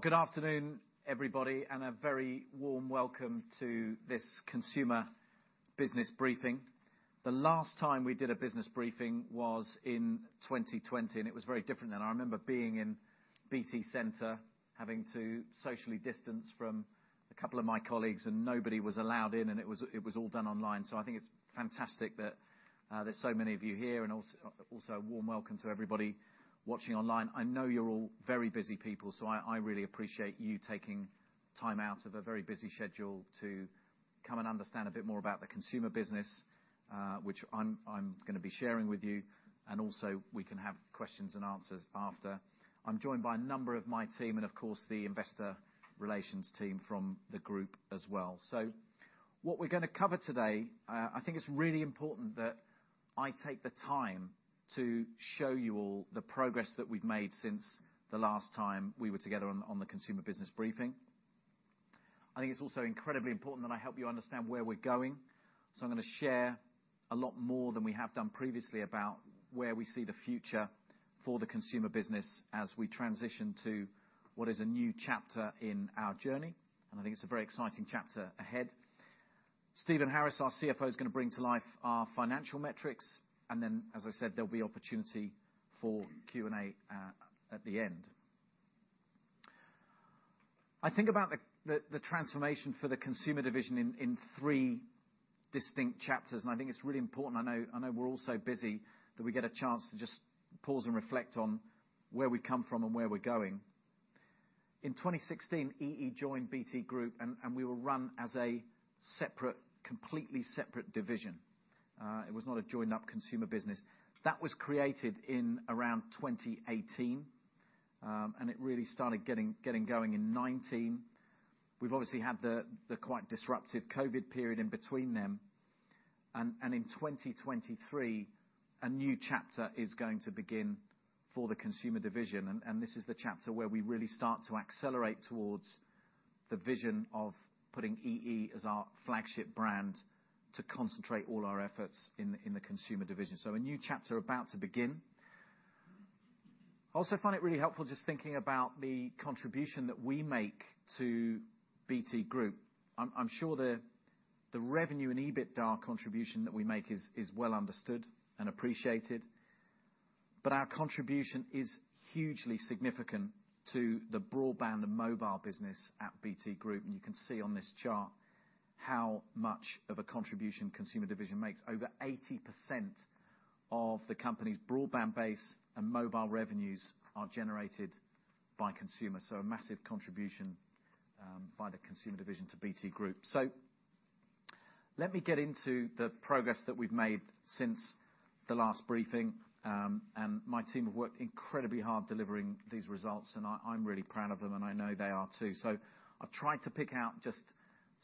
Good afternoon, everybody, a very warm welcome to this Consumer business briefing. The last time we did a business briefing was in 2020, it was very different then. I remember being in BT Centre, having to socially distance from a couple of my colleagues, nobody was allowed in, it was all done online. I think it's fantastic that there's so many of you here and also a warm welcome to everybody watching online. I know you're all very busy people, I really appreciate you taking time out of a very busy schedule to come and understand a bit more about the Consumer business, which I'm gonna be sharing with you, also we can have questions and answers after. I'm joined by a number of my team and of course the Investor Relations team from the group as well. What we're gonna cover today, I think it's really important that I take the time to show you all the progress that we've made since the last time we were together on the Consumer business briefing. I think it's also incredibly important that I help you understand where we're going, so I'm gonna share a lot more than we have done previously about where we see the future for the Consumer business as we transition to what is a new chapter in our journey, and I think it's a very exciting chapter ahead. Stephen Harris, our CFO, is gonna bring to life our financial metrics. As I said, there'll be opportunity for Q&A at the end. I think about the transformation for the Consumer division in three distinct chapters, and I think it's really important. I know we're all so busy that we get a chance to just pause and reflect on where we've come from and where we're going. In 2016, EE joined BT Group, and we were run as a completely separate division. It was not a joined-up Consumer business. That was created in around 2018, it really started getting going in 2019. We've obviously had the quite disruptive COVID period in between them, and in 2023, a new chapter is going to begin for the Consumer division. This is the chapter where we really start to accelerate towards the vision of putting EE as our flagship brand to concentrate all our efforts in the Consumer division. A new chapter about to begin. I also find it really helpful just thinking about the contribution that we make to BT Group. I'm sure the revenue and EBITDA contribution that we make is well understood and appreciated, but our contribution is hugely significant to the Broadband and Mobile business at BT Group, and you can see on this chart how much of a contribution Consumer division makes. Over 80% of the company's broadband base and mobile revenues are generated by Consumer, a massive contribution by the Consumer division to BT Group. Let me get into the progress that we've made since the last briefing, my team have worked incredibly hard delivering these results, and I'm really proud of them, and I know they are too. I've tried to pick out just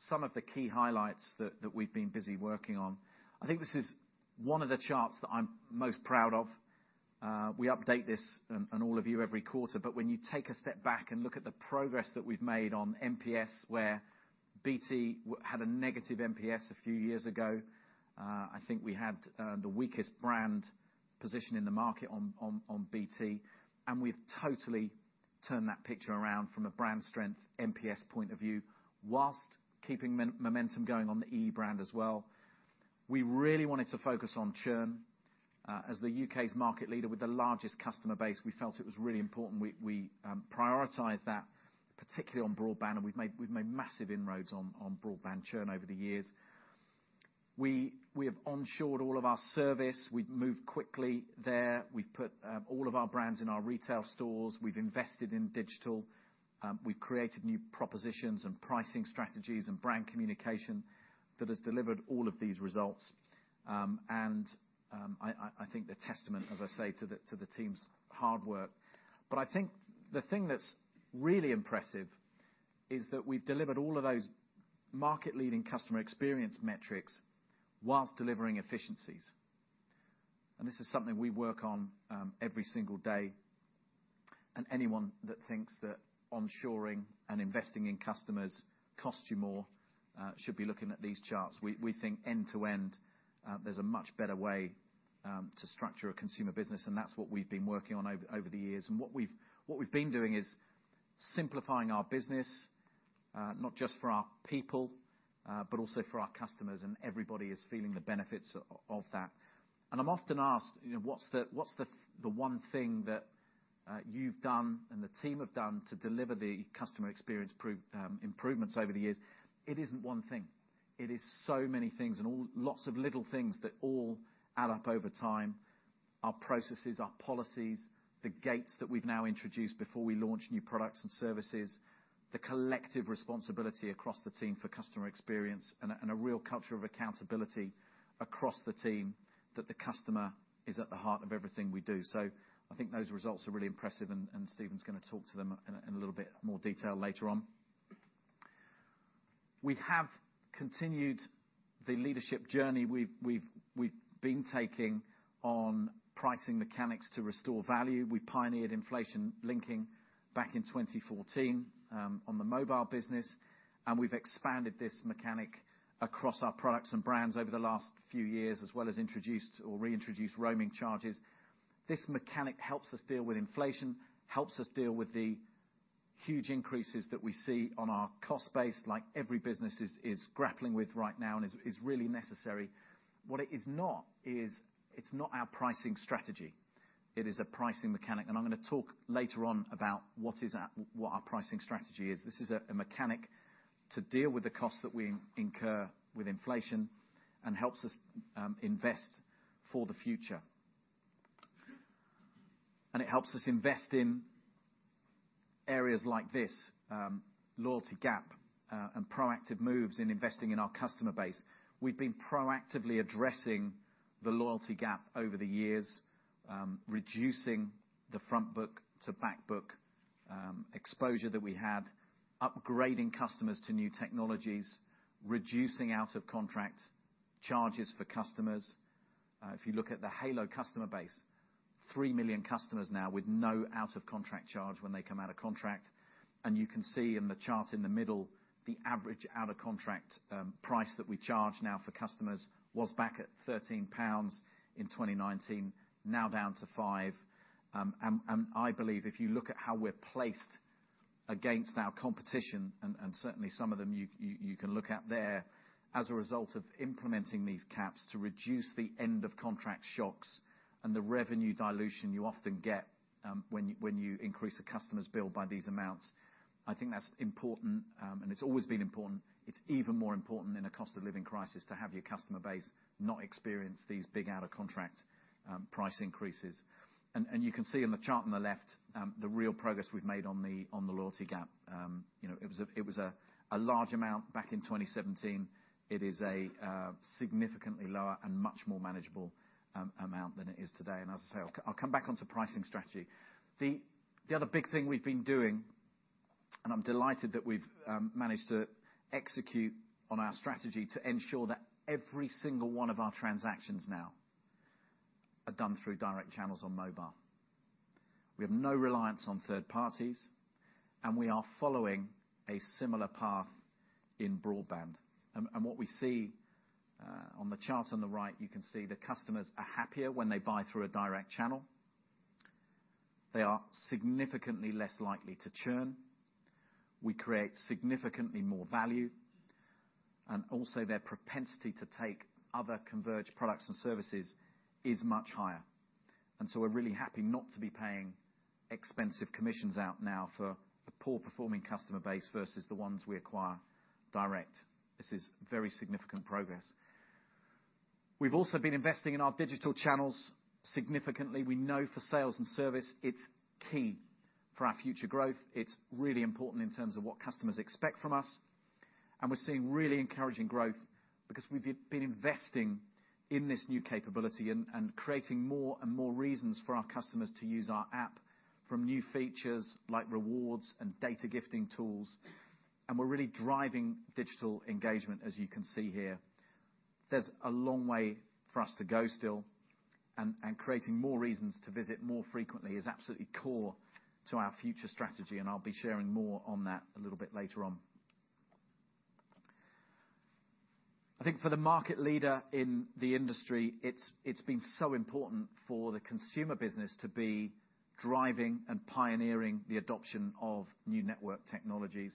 some of the key highlights that we've been busy working on. I think this is one of the charts that I'm most proud of. We update this and all of you every quarter, when you take a step back and look at the progress that we've made on NPS, where BT had a negative NPS a few years ago, I think we had the weakest brand position in the market on BT, and we've totally turned that picture around from a brand strength NPS point of view whilst keeping momentum going on the EE brand as well. We really wanted to focus on churn. As the U.K.'s market leader with the largest customer base, we felt it was really important, we prioritize that, particularly on Broadband, and we've made massive inroads on broadband churn over the years. We have onshored all of our service. We've moved quickly there. We've put all of our brands in our retail stores. We've invested in digital. We've created new propositions and pricing strategies and brand communication that has delivered all of these results. I think the testament, as I say to the team's hard work. I think the thing that's really impressive is that we've delivered all of those market-leading customer experience metrics whilst delivering efficiencies. This is something we work on every single day. Anyone that thinks that onshoring and investing in customers costs you more should be looking at these charts. We think end-to-end there's a much better way to structure a Consumer business, and that's what we've been working on over the years. What we've been doing is simplifying our business, not just for our people, but also for our customers, and everybody is feeling the benefits of that. I'm often asked, you know, "What's the one thing that you've done and the team have done to deliver the customer experience improvements over the years?" It isn't one thing. It is so many things and lots of little things that all add up over time. Our processes, our policies, the gates that we've now introduced before we launch new products and services, the collective responsibility across the team for customer experience and a, and a real culture of accountability across the team that the customer is at the heart of everything we do. I think those results are really impressive, and Stephen's gonna talk to them in a, in a little bit more detail later on. We have continued the leadership journey we've been taking on pricing mechanics to restore value. We pioneered inflation linking back in 2014 on the mobile business. We've expanded this mechanic across our products and brands over the last few years, as well as introduced or reintroduced roaming charges. This mechanic helps us deal with inflation, helps us deal with the huge increases that we see on our cost base, like every business is grappling with right now and is really necessary. What it is not is, it's not our pricing strategy. It is a pricing mechanic, and I'm gonna talk later on about what our pricing strategy is. This is a mechanic to deal with the costs that we incur with inflation and helps us invest for the future. It helps us invest in areas like this, loyalty gap, and proactive moves in investing in our customer base. We've been proactively addressing the loyalty gap over the years, reducing the frontbook to backbook exposure that we had, upgrading customers to new technologies, reducing out-of-contract charges for customers. If you look at the Halo customer base, 3 million customers now with no out-of-contract charge when they come out of contract. You can see in the chart in the middle, the average out-of-contract price that we charge now for customers was back at 13 pounds in 2019, now down to 5. I believe if you look at how we're placed against our competition, certainly some of them you can look at there, as a result of implementing these caps to reduce the end-of-contract shocks and the revenue dilution you often get, when you increase a customer's bill by these amounts, I think that's important, and it's always been important. It's even more important in a cost of living crisis to have your customer base not experience these big out-of-contract price increases. You can see in the chart on the left, the real progress we've made on the loyalty gap. You know, it was a large amount back in 2017. It is a significantly lower and much more manageable amount than it is today. As I say, I'll come back onto pricing strategy. The other big thing we've been doing, and I'm delighted that we've managed to execute on our strategy to ensure that every single one of our transactions now are done through direct channels on mobile. We have no reliance on third parties, and we are following a similar path in Broadband. What we see on the chart on the right, you can see that customers are happier when they buy through a direct channel. They are significantly less likely to churn. We create significantly more value. Their propensity to take other converged products and services is much higher. We're really happy not to be paying expensive commissions out now for the poor performing customer base versus the ones we acquire direct. This is very significant progress. We've also been investing in our digital channels significantly. We know for sales and service, it's key for our future growth. It's really important in terms of what customers expect from us, and we're seeing really encouraging growth because we've been investing in this new capability and creating more and more reasons for our customers to use our app from new features like rewards and data gifting tools. We're really driving digital engagement, as you can see here. There's a long way for us to go still, and creating more reasons to visit more frequently is absolutely core to our future strategy. I'll be sharing more on that a little bit later on. I think for the market leader in the industry, it's been so important for the Consumer business to be driving and pioneering the adoption of new network technologies.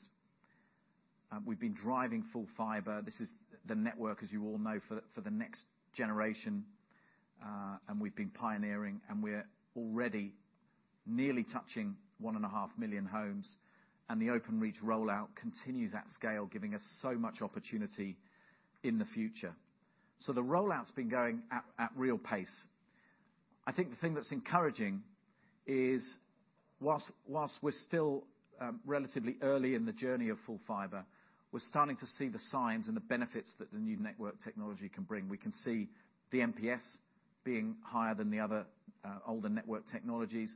We've been driving Full Fibre. This is the network, as you all know, for the next generation. We've been pioneering, and we're already nearly touching 1.5 million homes. The Openreach rollout continues at scale, giving us so much opportunity in the future. The rollout's been going at real pace. I think the thing that's encouraging is whilst we're still relatively early in the journey of Full Fibre, we're starting to see the signs and the benefits that the new network technology can bring. We can see the NPS being higher than the other older network technologies.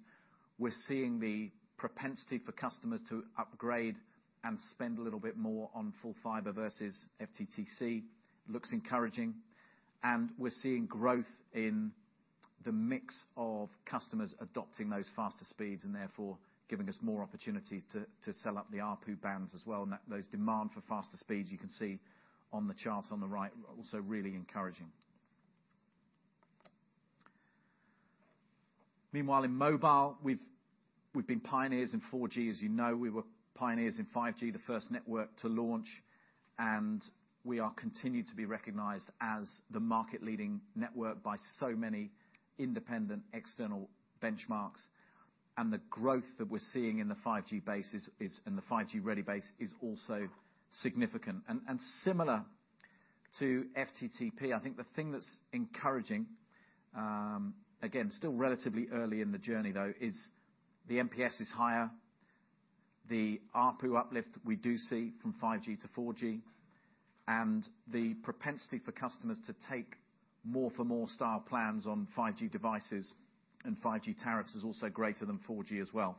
We're seeing the propensity for customers to upgrade and spend a little bit more on Full Fibre versus FTTC. Looks encouraging. We're seeing growth in the mix of customers adopting those faster speeds and therefore giving us more opportunities to sell up the ARPU bands as well. Those demand for faster speeds, you can see on the chart on the right, are also really encouraging. Meanwhile, in mobile, we've been pioneers in 4G, as you know. We were pioneers in 5G, the first network to launch, and we are continued to be recognized as the market-leading network by so many independent external benchmarks. The growth that we're seeing in the 5G base is in the 5G-ready base is also significant. Similar to FTTP, I think the thing that's encouraging, again, still relatively early in the journey though, is the NPS is higher, the ARPU uplift we do see from 5G to 4G, and the propensity for customers to take more for more style plans on 5G devices and 5G tariffs is also greater than 4G as well.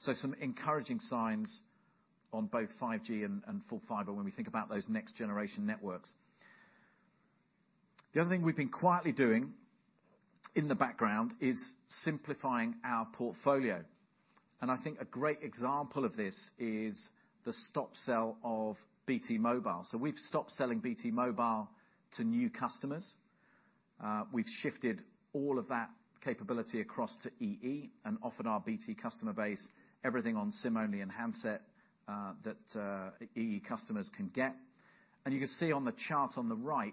Some encouraging signs on both 5G and Full Fibre when we think about those next generation networks. The other thing we've been quietly doing in the background is simplifying our portfolio. I think a great example of this is the stop sell of BT Mobile. We've stopped selling BT Mobile to new customers. We've shifted all of that capability across to EE and offered our BT customer base everything on SIM-only and handset, that EE customers can get. You can see on the chart on the right,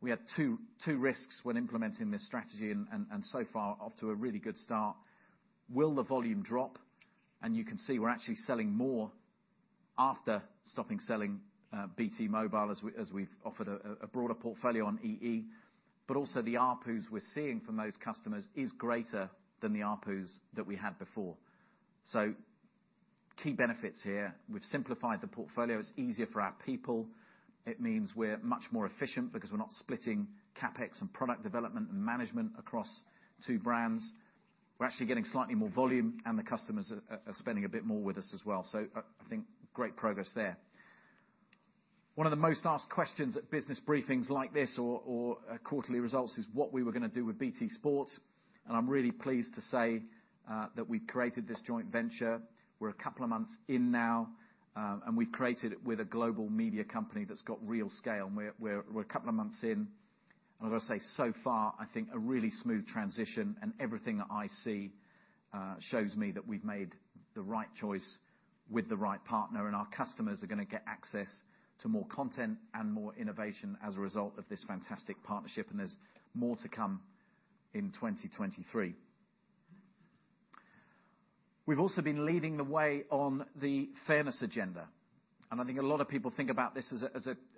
we had two risks when implementing this strategy and so far off to a really good start. Will the volume drop? You can see we're actually selling more after stopping selling BT Mobile as we've offered a broader portfolio on EE. Also the ARPU we're seeing from those customers is greater than the ARPUs that we had before. Key benefits here, we've simplified the portfolio. It's easier for our people. It means we're much more efficient because we're not splitting CapEx and product development and management across two brands. We're actually getting slightly more volume, and the customers are spending a bit more with us as well. I think great progress there. One of the most asked questions at business briefings like this or quarterly results is what we were gonna do with BT Sport. I'm really pleased to say that we've created this joint venture. We're a couple of months in now, and we've created it with a global media company that's got real scale. We're a couple of months in. I've got to say so far, I think a really smooth transition and everything that I see shows me that we've made the right choice with the right partner. Our customers are gonna get access to more content and more innovation as a result of this fantastic partnership. There's more to come in 2023. We've also been leading the way on the fairness agenda. I think a lot of people think about this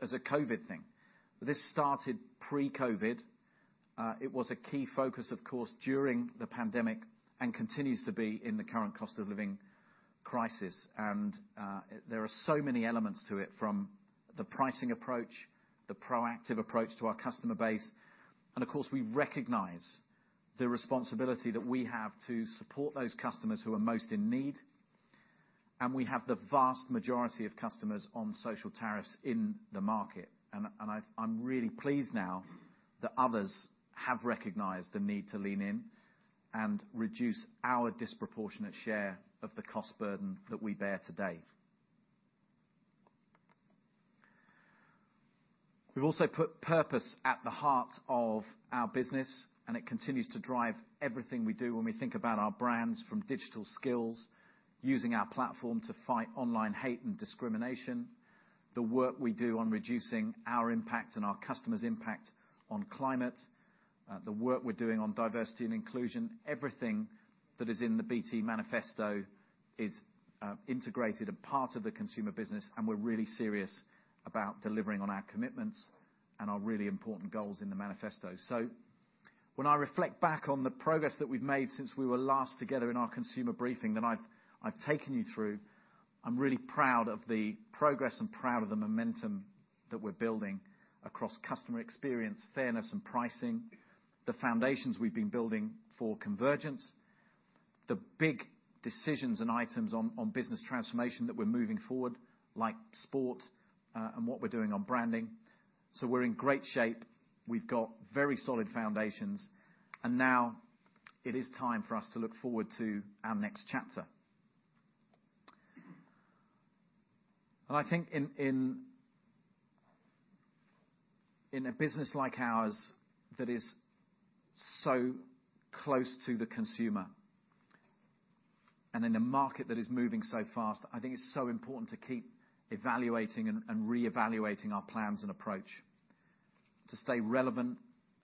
as a COVID thing. This started pre-COVID. It was a key focus, of course, during the pandemic and continues to be in the current cost of living crisis. There are so many elements to it, from the pricing approach, the proactive approach to our customer base. Of course, we recognize the responsibility that we have to support those customers who are most in need, and we have the vast majority of customers on social tariffs in the market. I'm really pleased now that others have recognized the need to lean in and reduce our disproportionate share of the cost burden that we bear today. We've also put purpose at the heart of our business. It continues to drive everything we do when we think about our brands from digital skills, using our platform to fight online hate and discrimination, the work we do on reducing our impact and our customers' impact on climate, the work we're doing on diversity and inclusion. Everything that is in the BT Group Manifesto is integrated and part of the Consumer business, and we're really serious about delivering on our commitments and our really important goals in the manifesto. When I reflect back on the progress that we've made since we were last together in our Consumer briefing that I've taken you through, I'm really proud of the progress and proud of the momentum that we're building across customer experience, fairness, and pricing. The foundations we've been building for convergence, the big decisions and items on business transformation that we're moving forward, like sport, and what we're doing on branding. We're in great shape. We've got very solid foundations. Now it is time for us to look forward to our next chapter. I think in a business like ours that is so close to the consumer and in a market that is moving so fast, I think it's so important to keep evaluating and reevaluating our plans and approach to stay relevant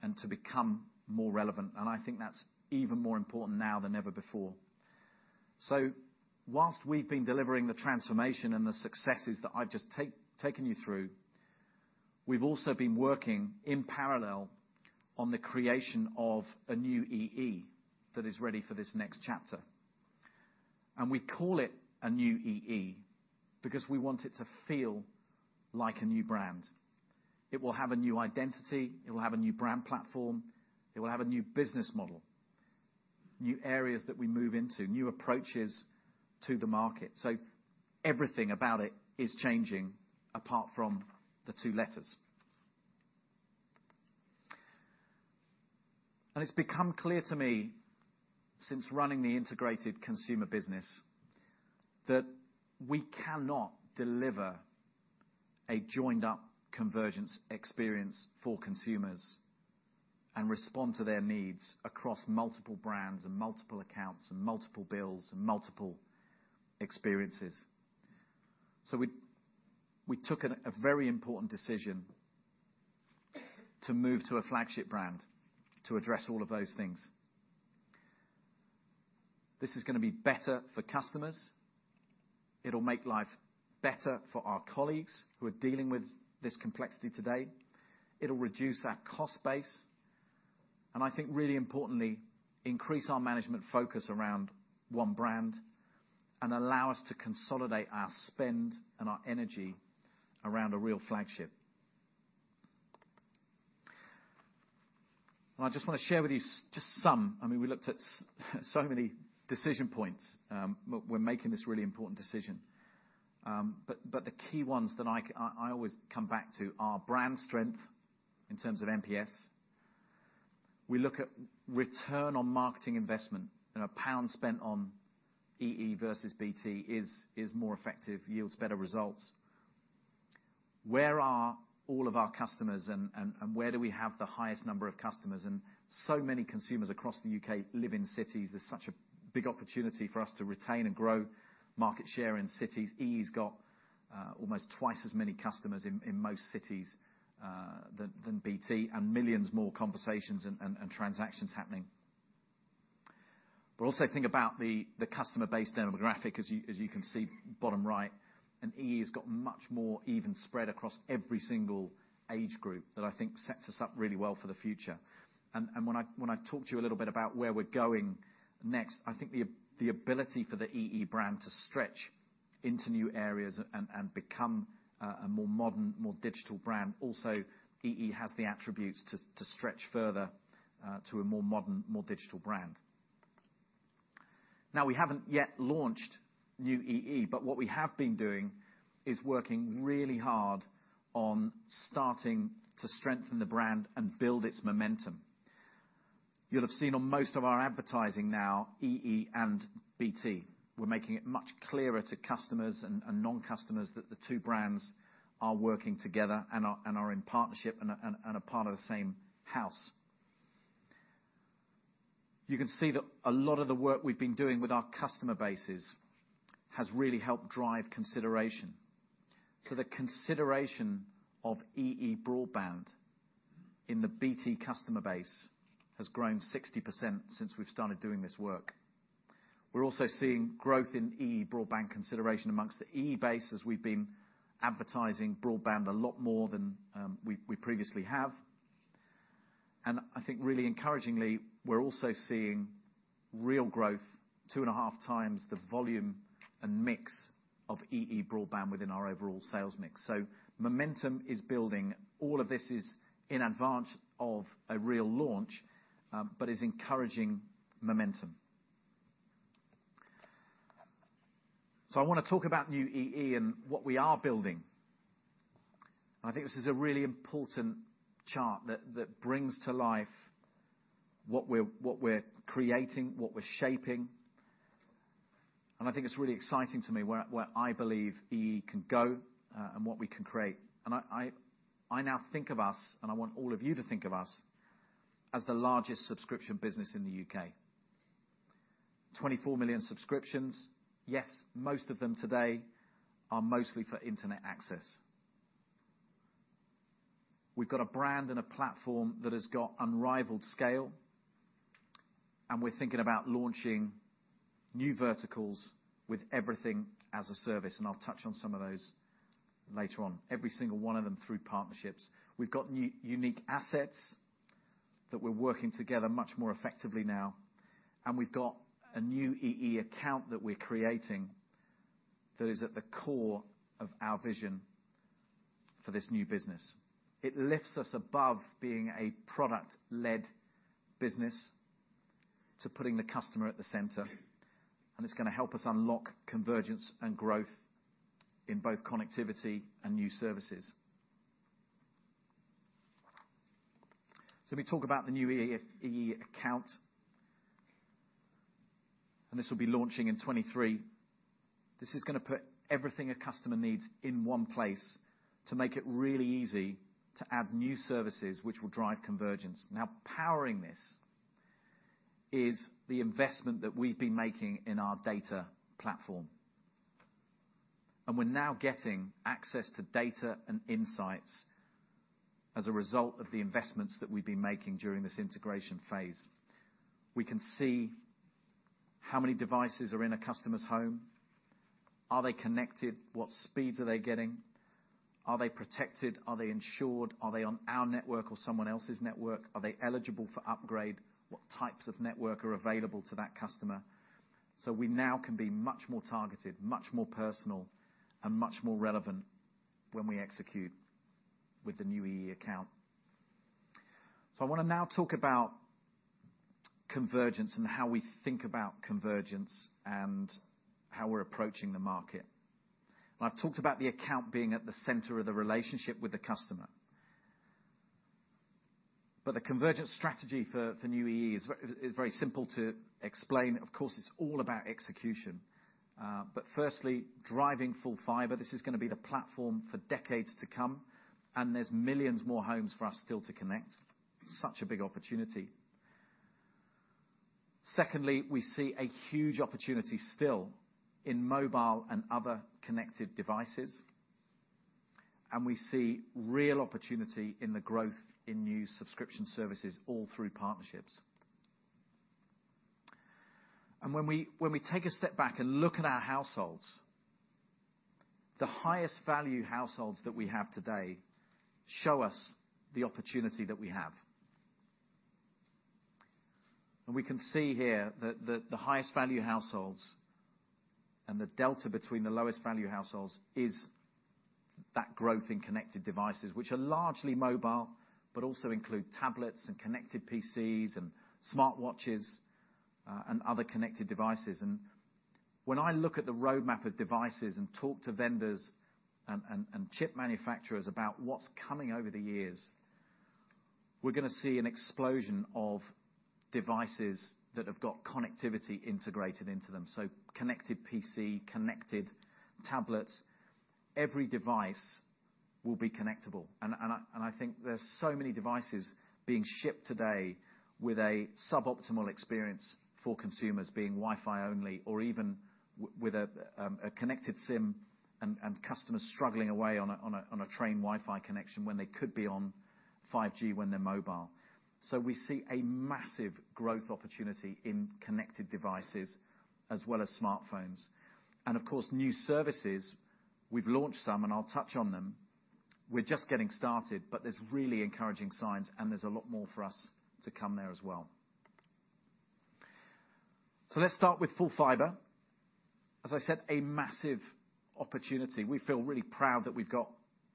and to become more relevant. I think that's even more important now than ever before. Whilst we've been delivering the transformation and the successes that I've just taken you through, we've also been working in parallel on the creation of a new EE that is ready for this next chapter. We call it a new EE because we want it to feel like a new brand. It will have a new identity. It will have a new brand platform. It will have a new business model, new areas that we move into, new approaches to the market. Everything about it is changing apart from the two letters. It's become clear to me since running the integrated Consumer business that we cannot deliver a joined-up convergence experience for consumers and respond to their needs across multiple brands and multiple accounts and multiple bills and multiple experiences. We took a very important decision to move to a flagship brand to address all of those things. This is going to be better for customers. It'll make life better for our colleagues who are dealing with this complexity today. It'll reduce our cost base, and I think really importantly, increase our management focus around one brand and allow us to consolidate our spend and our energy around a real flagship. I just want to share with you just some, I mean, we looked at so many decision points when making this really important decision. The key ones that I always come back to are brand strength in terms of NPS. We look at return on marketing investment and a GBP spent on EE versus BT is more effective, yields better results. Where are all of our customers and where do we have the highest number of customers? So many consumers across the U.K. live in cities. There's such a big opportunity for us to retain and grow market share in cities. EE's got almost twice as many customers in most cities than BT and millions more conversations and transactions happening. Also think about the customer base demographic as you can see bottom right, and EE has got much more even spread across every single age group that I think sets us up really well for the future. When I talk to you a little bit about where we're going next, I think the ability for the EE brand to stretch into new areas and become a more modern, more digital brand. Also, EE has the attributes to stretch further to a more modern, more digital brand. We haven't yet launched new EE, but what we have been doing is working really hard on starting to strengthen the brand and build its momentum. You'll have seen on most of our advertising now, EE and BT. We're making it much clearer to customers and non-customers that the two brands are working together and are in partnership and are part of the same house. You can see that a lot of the work we've been doing with our customer bases has really helped drive consideration. The consideration of EE Broadband in the BT customer base has grown 60% since we've started doing this work. We're also seeing growth in EE Broadband consideration amongst the EE base as we've been advertising broadband a lot more than we previously have. I think really encouragingly, we're also seeing real growth 2.5x the volume and mix of EE Broadband within our overall sales mix. Momentum is building. All of this is in advance of a real launch, but is encouraging momentum. I wanna talk about new EE and what we are building. I think this is a really important chart that brings to life what we're creating, what we're shaping. I think it's really exciting to me where I believe EE can go, and what we can create. I now think of us, and I want all of you to think of us, as the largest subscription business in the U.K. 24 million subscriptions. Yes, most of them today are mostly for internet access. We've got a brand and a platform that has got unrivaled scale. We're thinking about launching new verticals with everything as a service. I'll touch on some of those later on. Every single one of them through partnerships. We've got new unique assets that we're working together much more effectively now. We've got a new EE account that we're creating that is at the core of our vision for this new business. It lifts us above being a product-led business to putting the customer at the center. It's gonna help us unlock convergence and growth in both connectivity and new services. We talk about the new EE account. This will be launching in 2023. This is gonna put everything a customer needs in one place to make it really easy to add new services which will drive convergence. Powering this is the investment that we've been making in our data platform. We're now getting access to data and insights as a result of the investments that we've been making during this integration phase. We can see how many devices are in a customer's home. Are they connected? What speeds are they getting? Are they protected? Are they insured? Are they on our network or someone else's network? Are they eligible for upgrade? What types of network are available to that customer? We now can be much more targeted, much more personal, and much more relevant when we execute with the new EE account. I wanna now talk about convergence and how we think about convergence and how we're approaching the market. I've talked about the account being at the center of the relationship with the customer. The convergence strategy for new EE is very simple to explain. Of course, it's all about execution. Firstly, driving Full Fibre. This is gonna be the platform for decades to come, and there's millions more homes for us still to connect. Such a big opportunity. Secondly, we see a huge opportunity still in mobile and other connected devices, and we see real opportunity in the growth in new subscription services all through partnerships. When we take a step back and look at our households, the highest value households that we have today show us the opportunity that we have. We can see here that, the highest value households and the delta between the lowest value households is that growth in connected devices, which are largely mobile, but also include tablets and connected PCs and smartwatches. Other connected devices. When I look at the roadmap of devices and talk to vendors and, and chip manufacturers about what's coming over the years, we're gonna see an explosion of devices that have got connectivity integrated into them. Connected PC, connected tablets, every device will be connectable. I think there's so many devices being shipped today with a suboptimal experience for consumers being Wi-Fi only, or even with a connected SIM and customers struggling away on a, on a, on a train Wi-Fi connection when they could be on 5G when they're mobile. We see a massive growth opportunity in connected devices as well as smartphones. Of course, new services, we've launched some, and I'll touch on them. We're just getting started, but there's really encouraging signs, and there's a lot more for us to come there as well. Let's start with Full Fibre. As I said, a massive opportunity. We feel really proud that we've got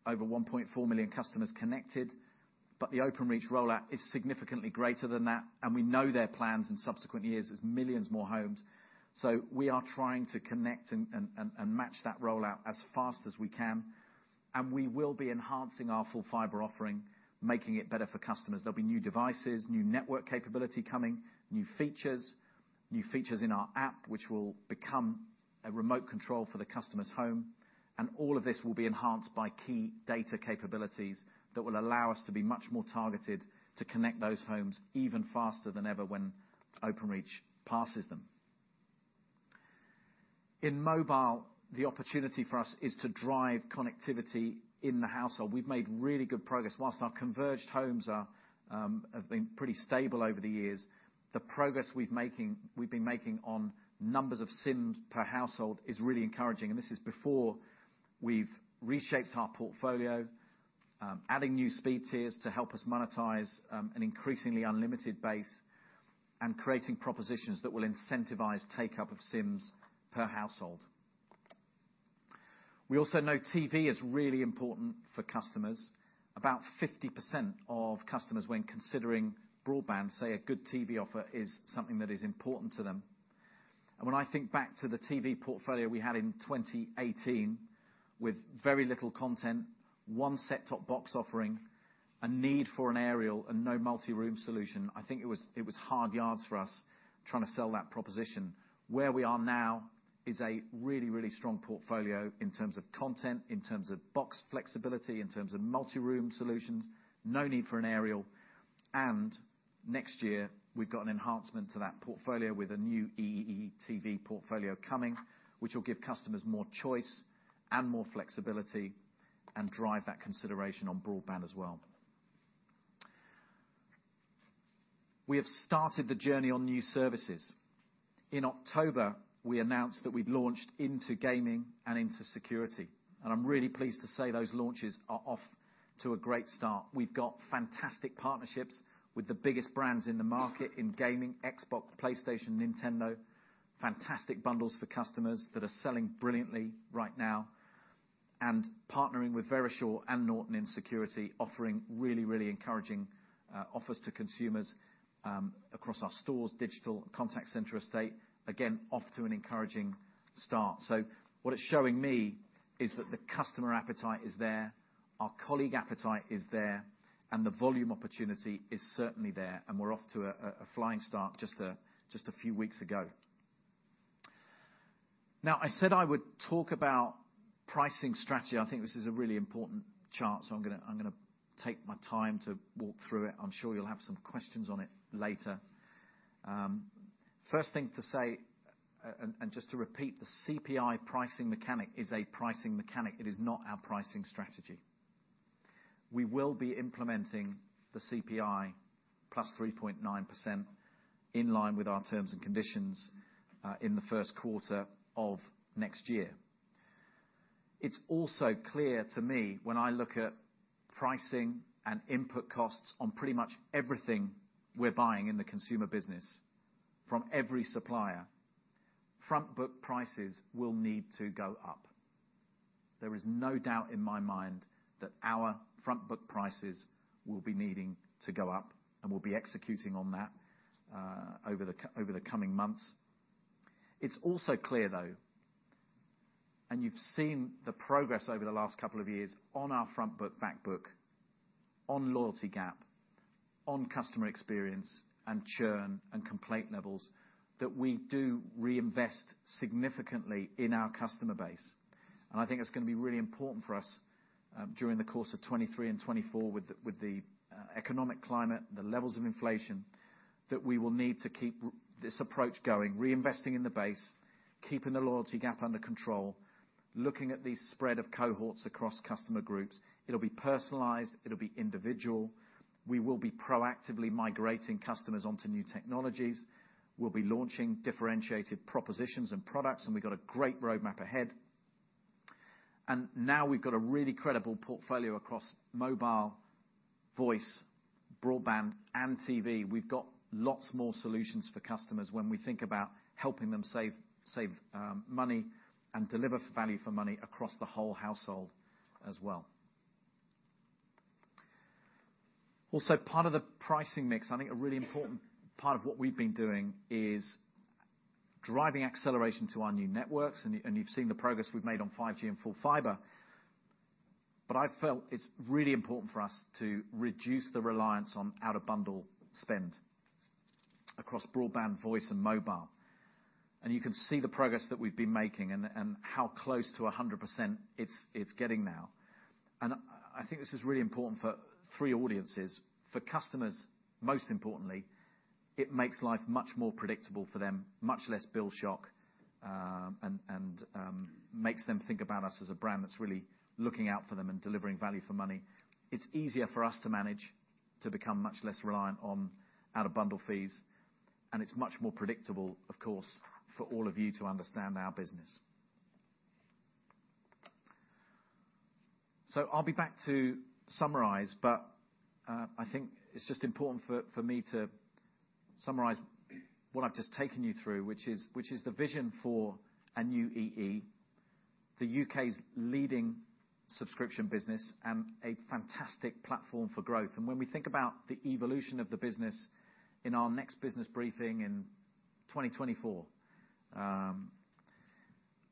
over 1.4 million customers connected, but the Openreach rollout is significantly greater than that, and we know their plans in subsequent years is millions more homes. We are trying to connect and match that rollout as fast as we can, and we will be enhancing our Full Fibre offering, making it better for customers. There'll be new devices, new network capability coming, new features, new features in our app, which will become a remote control for the customer's home. All of this will be enhanced by key data capabilities that will allow us to be much more targeted to connect those homes even faster than ever when Openreach passes them. In mobile, the opportunity for us is to drive connectivity in the household. We've made really good progress. Whilst our converged homes are have been pretty stable over the years, the progress we've been making on numbers of SIMs per household is really encouraging. This is before we've reshaped our portfolio, adding new speed tiers to help us monetize an increasingly unlimited base and creating propositions that will incentivize take-up of SIMs per household. We also know TV is really important for customers. About 50% of customers when considering broadband say a good TV offer is something that is important to them. When I think back to the TV portfolio we had in 2018 with very little content, one set-top box offering, a need for an aerial and no multi-room solution, I think it was hard yards for us trying to sell that proposition. Where we are now is a really, really strong portfolio in terms of content, in terms of box flexibility, in terms of multi-room solutions, no need for an aerial. Next year, we've got an enhancement to that portfolio with a new EE TV portfolio coming, which will give customers more choice and more flexibility and drive that consideration on broadband as well. We have started the journey on new services. In October, we announced that we'd launched into gaming and into security, and I'm really pleased to say those launches are off to a great start. We've got fantastic partnerships with the biggest brands in the market in gaming, Xbox, PlayStation, Nintendo, fantastic bundles for customers that are selling brilliantly right now. Partnering with Verisure and Norton in security, offering really, really encouraging offers to consumers across our stores, digital, contact center estate, again, off to an encouraging start. What it's showing me is that the customer appetite is there, our colleague appetite is there, and the volume opportunity is certainly there, and we're off to a flying start just a few weeks ago. I said I would talk about pricing strategy. I think this is a really important chart, I'm gonna take my time to walk through it. I'm sure you'll have some questions on it later. First thing to say, just to repeat, the CPI pricing mechanic is a pricing mechanic. It is not our pricing strategy. We will be implementing the CPI plus 3.9% in line with our terms and conditions in the first quarter of next year. It's also clear to me when I look at pricing and input costs on pretty much everything we're buying in the Consumer business from every supplier, front book prices will need to go up. There is no doubt in my mind that our front book prices will be needing to go up, and we'll be executing on that over the coming months. It's also clear though, you've seen the progress over the last couple of years on our front book, back book, on loyalty gap, on customer experience and churn and complaint levels that we do reinvest significantly in our customer base. I think it's gonna be really important for us, during the course of 2023 and 2024 with the economic climate, the levels of inflation that we will need to keep this approach going, reinvesting in the base, keeping the loyalty gap under control, looking at the spread of cohorts across customer groups. It'll be personalized. It'll be individual. We will be proactively migrating customers onto new technologies. We'll be launching differentiated propositions and products, we've got a great roadmap ahead. Now we've got a really credible portfolio across mobile, voice, broadband, and TV. We've got lots more solutions for customers when we think about helping them save money and deliver value for money across the whole household as well. Part of the pricing mix, I think a really important part of what we've been doing, is driving acceleration to our new networks, and you've seen the progress we've made on 5G and Full Fibre. I felt it's really important for us to reduce the reliance on out-of-bundle spend across broadband, voice, and mobile. You can see the progress that we've been making and how close to 100% it's getting now. I think this is really important for three audiences. For customers, most importantly, it makes life much more predictable for them, much less bill shock, and makes them think about us as a brand that's really looking out for them and delivering value for money. It's easier for us to manage to become much less reliant on out-of-bundle fees, and it's much more predictable, of course, for all of you to understand our business. I'll be back to summarize. I think it's just important for me to summarize what I've just taken you through, which is the vision for a new EE, the U.K.'s leading subscription business and a fantastic platform for growth. When we think about the evolution of the business in our next business briefing in 2024,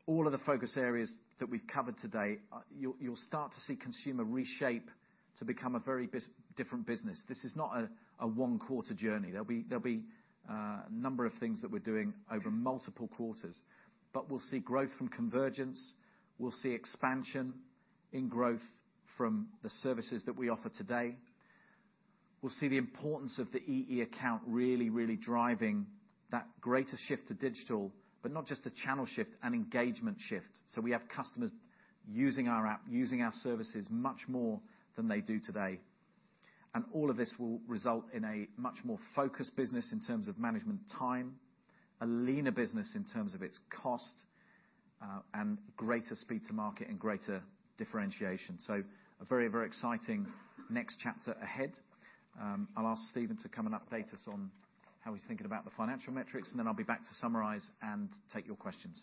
all of the focus areas that we've covered today, you'll start to see consumer reshape to become a very different business. This is not a one-quarter journey. There'll be a number of things that we're doing over multiple quarters. We'll see growth from convergence, we'll see expansion in growth from the services that we offer today. We'll see the importance of the EE account really driving that greater shift to digital, but not just a channel shift, an engagement shift. We have customers using our app, using our services much more than they do today. All of this will result in a much more focused business in terms of management time, a leaner business in terms of its cost, and greater speed to market and greater differentiation. A very, very exciting next chapter ahead. I'll ask Stephen to come and update us on how he's thinking about the financial metrics, and then I'll be back to summarize and take your questions.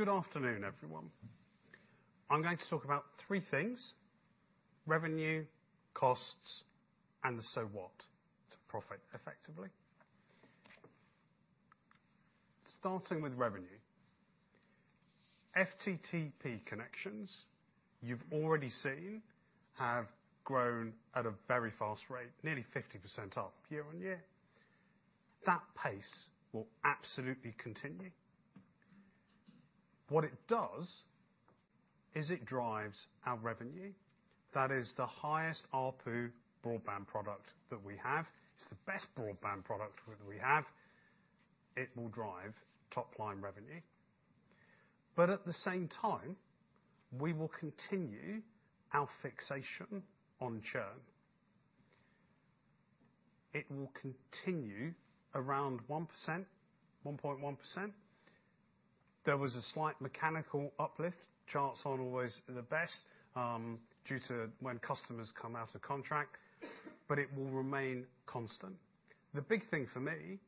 Good afternoon, everyone. I'm going to talk about three things: revenue, costs, and the so what? To profit effectively. Starting with revenue. FTTP connections, you've already seen, have grown at a very fast rate, nearly 50% up year-on-year. That pace will absolutely continue. What it does is it drives our revenue. That is the highest ARPU broadband product that we have. It's the best broadband product that we have. It will drive top-line revenue. At the same time, we will continue our fixation on churn. It will continue around 1%, 1.1%. There was a slight mechanical uplift, charts aren't always the best, due to when customers come out of contract, it will remain constant. The big thing for me,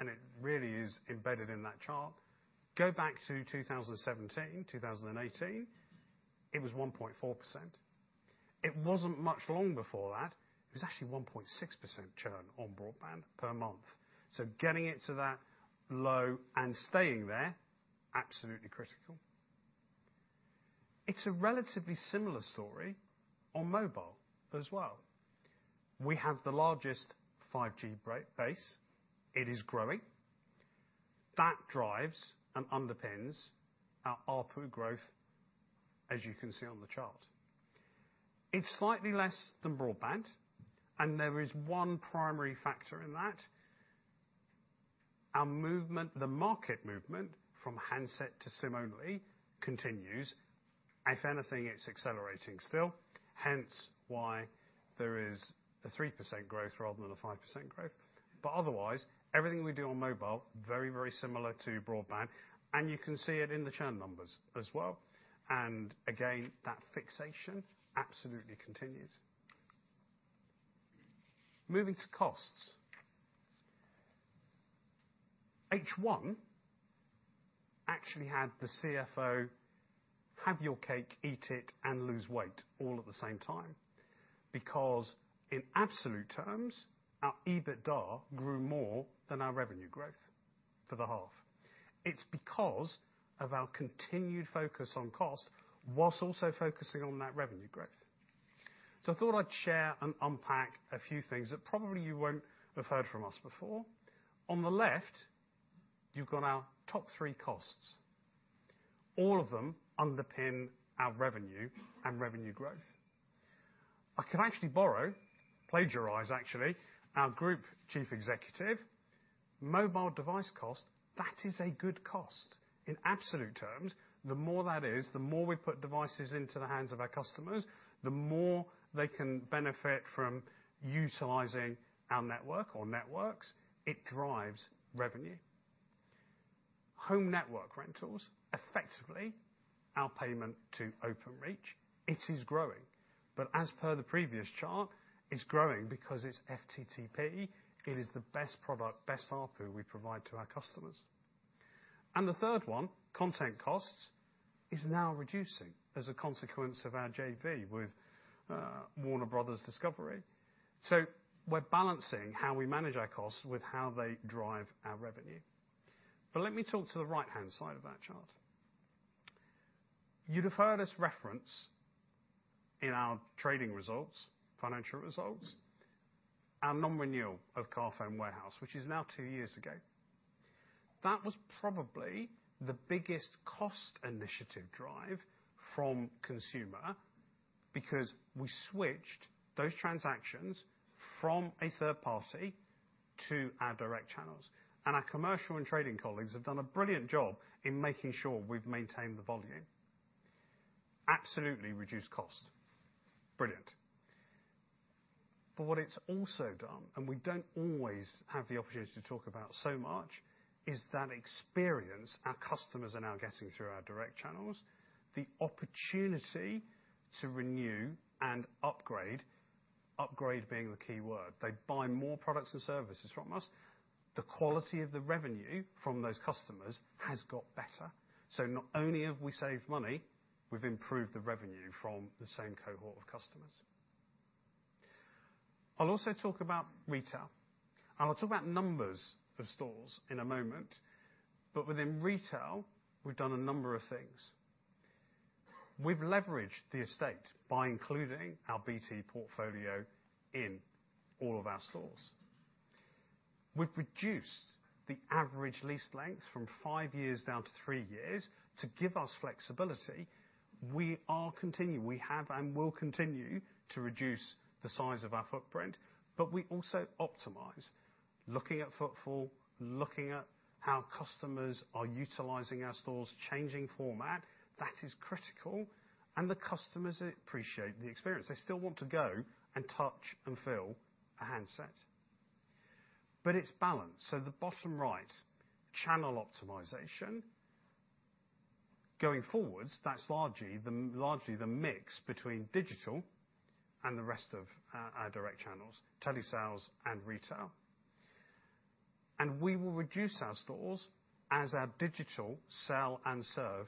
it really is embedded in that chart, go back to 2017, 2018, it was 1.4%. It wasn't much long before that, it was actually 1.6% churn on broadband per month. Getting it to that low and staying there, absolutely critical. It's a relatively similar story on mobile as well. We have the largest 5G base. It is growing. That drives and underpins our ARPU growth, as you can see on the chart. It's slightly less than broadband, there is one primary factor in that. Our movement, the market movement from handset to SIM-only continues. If anything, it's accelerating still, hence why there is a 3% growth rather than a 5% growth. Otherwise, everything we do on mobile, very, very similar to broadband, and you can see it in the churn numbers as well. Again, that fixation absolutely continues. Moving to costs. H1 actually had the CFO have your cake, eat it, and lose weight all at the same time. In absolute terms, our EBITDA grew more than our revenue growth for the half. It's because of our continued focus on cost while also focusing on that revenue growth. I thought I'd share and unpack a few things that probably you won't have heard from us before. On the left, you've got our top three costs. All of them underpin our revenue and revenue growth. I could actually borrow, plagiarize actually, our Group Chief Executive. Mobile device cost, that is a good cost. In absolute terms, the more that is, the more we put devices into the hands of our customers, the more they can benefit from utilizing our network or networks. It drives revenue. Home network rentals, effectively Our payment to Openreach, it is growing. As per the previous chart, it's growing because it's FTTP. It is the best product, best output we provide to our customers. The third one, content costs, is now reducing as a consequence of our JV with Warner Bros. Discovery. We're balancing how we manage our costs with how they drive our revenue. Let me talk to the right-hand side of that chart. You'd have heard us reference in our trading results, financial results, our non-renewal of Carphone Warehouse, which is now two years ago. That was probably the biggest cost initiative drive from Consumer, because we switched those transactions from a third party to our direct channels. Our commercial and trading colleagues have done a brilliant job in making sure we've maintained the volume. Absolutely reduced cost. Brilliant. What it's also done, and we don't always have the opportunity to talk about so much, is that experience our customers are now getting through our direct channels, the opportunity to renew and upgrade being the key word. They buy more products and services from us. The quality of the revenue from those customers has got better. Not only have we saved money, we've improved the revenue from the same cohort of customers. I'll also talk about retail, and I'll talk about numbers of stores in a moment. Within retail, we've done a number of things. We've leveraged the estate by including our BT portfolio in all of our stores. We've reduced the average lease length from five years down to three years to give us flexibility. We have and will continue to reduce the size of our footprint, we also optimize, looking at footfall, looking at how customers are utilizing our stores, changing format. That is critical, the customers appreciate the experience. They still want to go and touch and feel a handset. It's balanced. The bottom right, channel optimization. Going forwards, that's largely the mix between digital and the rest of our direct channels, telesales and retail. We will reduce our stores as our digital sell and serve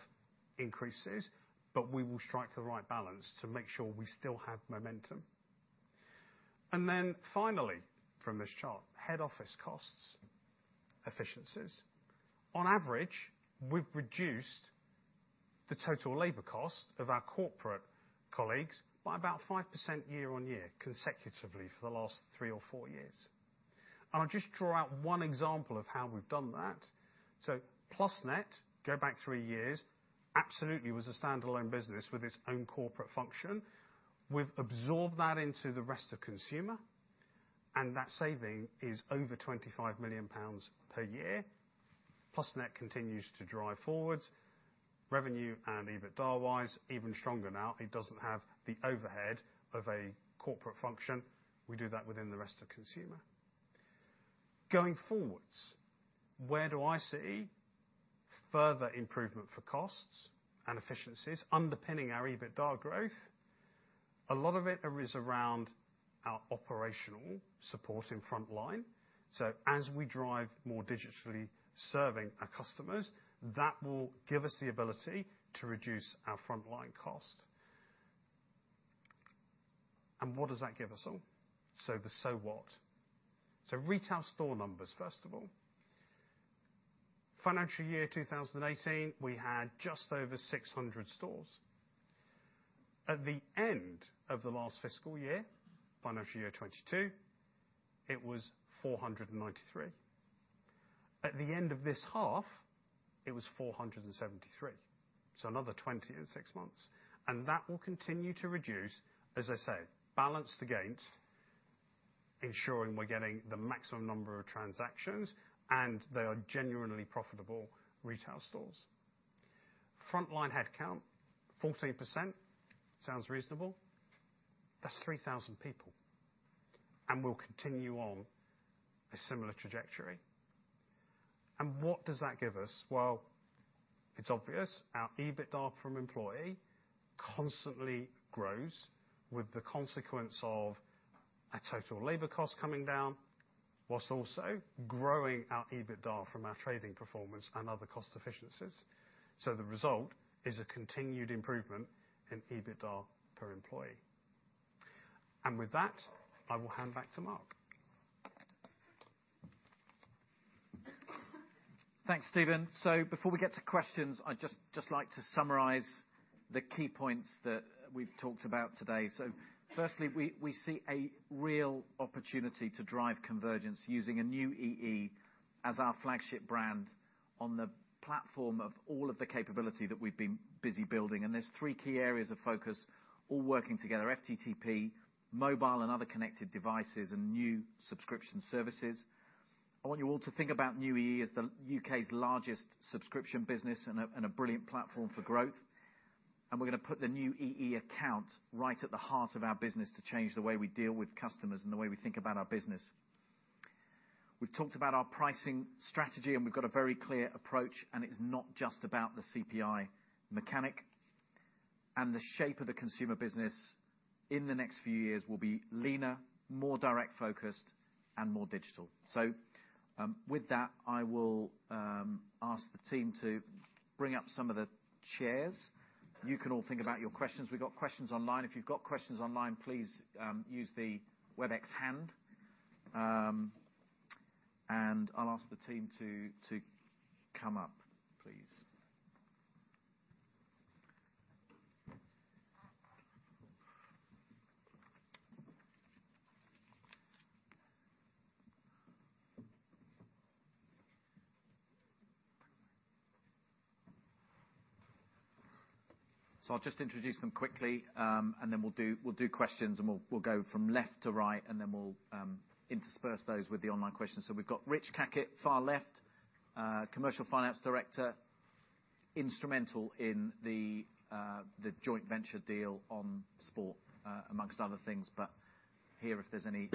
increases, but we will strike the right balance to make sure we still have momentum. Finally, from this chart, head office costs efficiencies. On average, we've reduced the total labor cost of our corporate colleagues by about 5% year-on-year, consecutively for the last three or four years. I'll just draw out one example of how we've done that. Plusnet, go back three years, absolutely was a standalone business with its own corporate function. We've absorbed that into the rest of Consumer, and that saving is over 25 million pounds per year. Plusnet continues to drive forwards. Revenue and EBITDA-wise, even stronger now. It doesn't have the overhead of a corporate function. We do that within the rest of Consumer. Going forwards, where do I see further improvement for costs and efficiencies underpinning our EBITDA growth? A lot of it is around our operational support in frontline. As we drive more digitally serving our customers, that will give us the ability to reduce our frontline cost. What does that give us all? The so what? Retail store numbers, first of all. Financial year 2018, we had just over 600 stores. At the end of the last fiscal year, financial year 2022, it was 493. At the end of this half, it was 473. Another 20 in six months. That will continue to reduce, as I say, balanced against ensuring we're getting the maximum number of transactions, and they are genuinely profitable retail stores. Frontline headcount, 14%, sounds reasonable. That's 3,000 people, and we'll continue on a similar trajectory. What does that give us? It's obvious. Our EBITDA from employee constantly grows with the consequence of our total labor cost coming down, whilst also growing our EBITDA from our trading performance and other cost efficiencies. The result is a continued improvement in EBITDA per employee. With that, I will hand back to Marc. Thanks, Stephen. Before we get to questions, I'd just like to summarize the key points that we've talked about today. Firstly, we see a real opportunity to drive convergence using a new EE as our flagship brand on the platform of all of the capability that we've been busy building. There's three key areas of focus all working together, FTTP, mobile and other connected devices, and new subscription services. I want you all to think about new EE as the U.K.'s largest subscription business and a brilliant platform for growth. We're gonna put the new EE account right at the heart of our business to change the way we deal with customers and the way we think about our business. We've talked about our pricing strategy, we've got a very clear approach, it's not just about the CPI mechanic. The shape of the Consumer business in the next few years will be leaner, more direct-focused, and more digital. With that, I will ask the team to bring up some of the chairs. You can all think about your questions. We've got questions online. If you've got questions online, please use the Webex hand. I'll ask the team to come up, please. I'll just introduce them quickly, and then we'll do questions, and we'll go from left to right, and then we'll intersperse those with the online questions. We've got Richard Cackett, far left, Commercial Finance Director, instrumental in the joint venture deal on sport, amongst other things, but here if there's any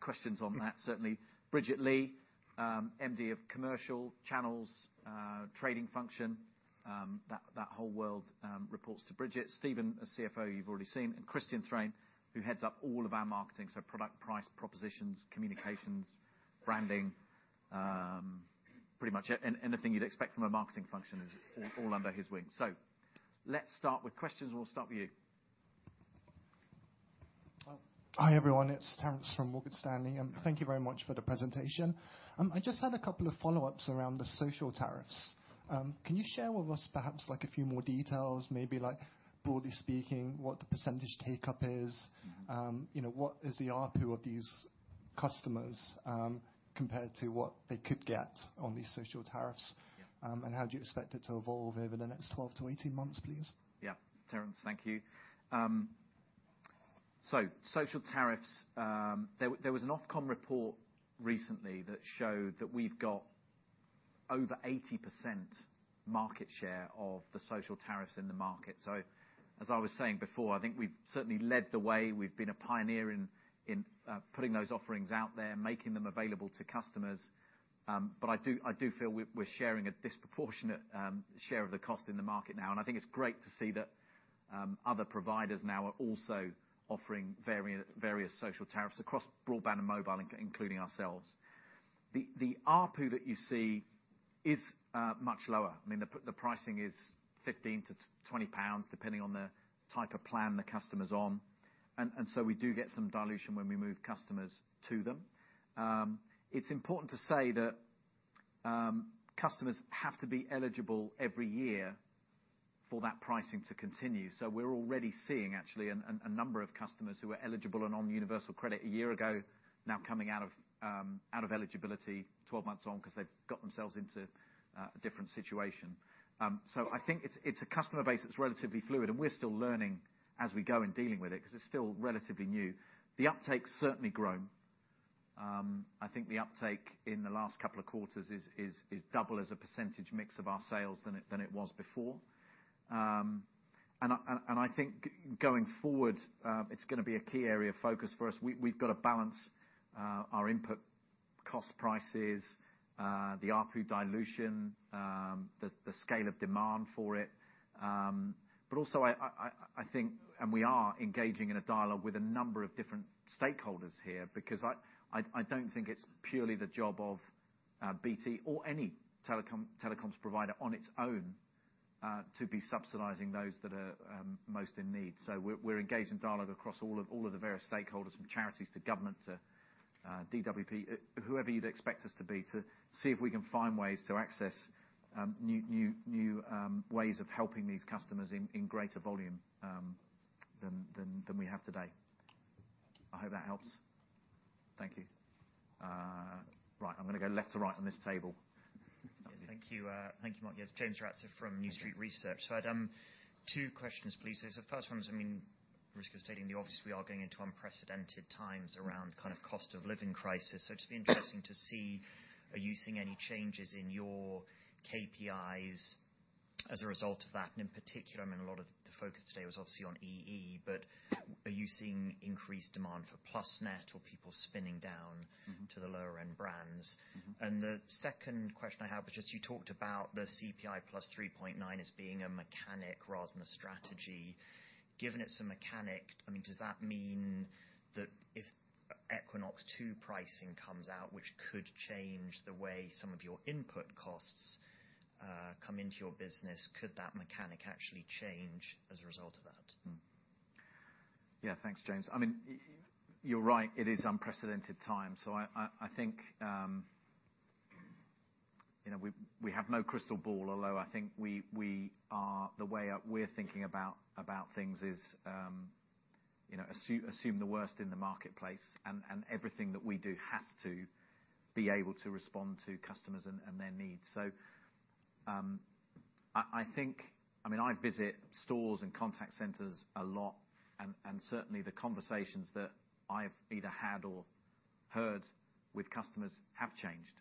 questions on that, certainly. Bridget Lea, MD of Commercial Channels, trading function, that whole world reports to Bridget. Stephen, the CFO, you've already seen, and Christian Thrane, who heads up all of our marketing, so product, price, propositions, communications, branding, pretty much anything you'd expect from a marketing function is all under his wing. Let's start with questions, and we'll start with you. Hi, everyone. It's Terence from Morgan Stanley. Thank you very much for the presentation. I just had a couple of follow-ups around the social tariffs. Can you share with us perhaps like a few more details, maybe like broadly speaking, what the take-up % is? You know, what is the ARPU of these customers compared to what they could get on these social tariffs? Yeah. How do you expect it to evolve over the next 12-18 months, please? Terence, thank you. Social tariffs, there was an Ofcom report recently that showed that we've got over 80% market share of the social tariffs in the market. As I was saying before, I think we've certainly led the way. We've been a pioneer in putting those offerings out there, making them available to customers. I do feel we're sharing a disproportionate share of the cost in the market now, and I think it's great to see that other providers now are also offering various social tariffs across Broadband and Mobile, including ourselves. The ARPU that you see is much lower. I mean, the pricing is 15-20 pounds, depending on the type of plan the customer's on. We do get some dilution when we move customers to them. It's important to say that customers have to be eligible every year for that pricing to continue. We're already seeing actually a number of customers who are eligible and on Universal Credit one year ago, now coming out of eligibility 12 months on 'cause they've got themselves into a different situation. I think it's a customer base that's relatively fluid, and we're still learning as we go in dealing with it, 'cause it's still relatively new. The uptake's certainly grown. I think the uptake in the last couple of quarters is double as a % mix of our sales than it was before. I think going forward, it's gonna be a key area of focus for us. We've gotta balance our input cost prices, the ARPU dilution, the scale of demand for it. I think, and we are engaging in a dialogue with a number of different stakeholders here, because I don't think it's purely the job of BT or any telecoms provider on its own to be subsidizing those that are most in need. We're engaged in dialogue across all of the various stakeholders from charities to government to DWP, whoever you'd expect us to be to see if we can find ways to access new ways of helping these customers in greater volume than we have today. I hope that helps. Thank you. Right, I'm gonna go left to right on this table. Thank you. Thank you, Mike. Yes, James Ratzer from New Street Research. I'd two questions, please. The first one is, I mean, risk of stating the obvious, we are going into unprecedented times around kind of cost of living crisis. It's just be interesting to see, are you seeing any changes in your KPIs as a result of that? In particular, I mean, a lot of the focus today was obviously on EE, but are you seeing increased demand for Plusnet or people spinning down- Mm-hmm. to the lower-end brands? Mm-hmm. The second question I have is just you talked about the CPI plus 3.9% as being a mechanic rather than a strategy. Given it's a mechanic, I mean, does that mean that if Equinox 2 pricing comes out, which could change the way some of your input costs, come into your business, could that mechanic actually change as a result of that? Yeah. Thanks, James. I mean, you're right, it is unprecedented time. I think, you know, we have no crystal ball, although I think we are the way we're thinking about things is, you know, assume the worst in the marketplace and everything that we do has to be able to respond to customers and their needs. I think, I mean, I visit stores and contact centers a lot, and certainly the conversations that I've either had or heard with customers have changed.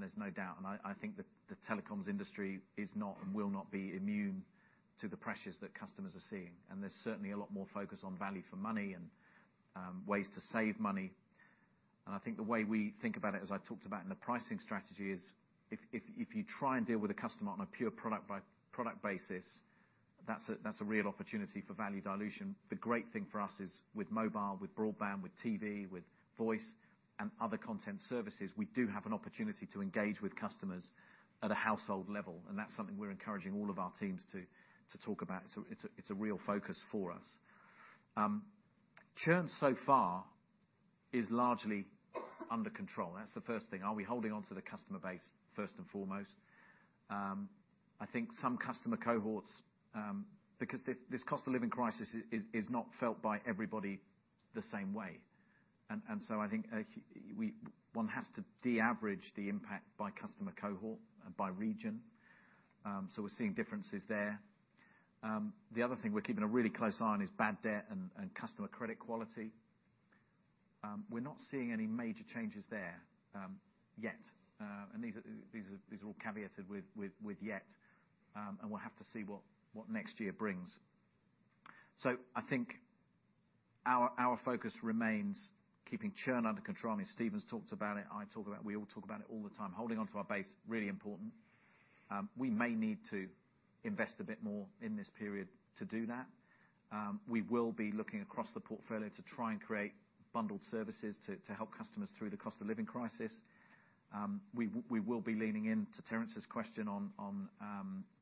There's no doubt. I think the telecoms industry is not and will not be immune to the pressures that customers are seeing. There's certainly a lot more focus on value for money and ways to save money. I think the way we think about it, as I talked about in the pricing strategy, is if you try and deal with a customer on a pure product by product basis, that's a real opportunity for value dilution. The great thing for us is with mobile, with broadband, with TV, with voice and other content services, we do have an opportunity to engage with customers at a household level. That's something we're encouraging all of our teams to talk about. It's a real focus for us. Churn so far is largely under control. That's the first thing. Are we holding onto the customer base first and foremost? I think some customer cohorts, because this cost of living crisis is not felt by everybody the same way. I think one has to de-average the impact by customer cohort and by region. We're seeing differences there. The other thing we're keeping a really close eye on is bad debt and customer credit quality. We're not seeing any major changes there yet. These are all caveated with yet, and we'll have to see what next year brings. I think our focus remains keeping churn under control. I mean, Stephen's talked about it. we all talk about it all the time, holding onto our base, really important. We may need to invest a bit more in this period to do that. We will be looking across the portfolio to try and create bundled services to help customers through the cost of living crisis. We will be leaning in to Terence's question on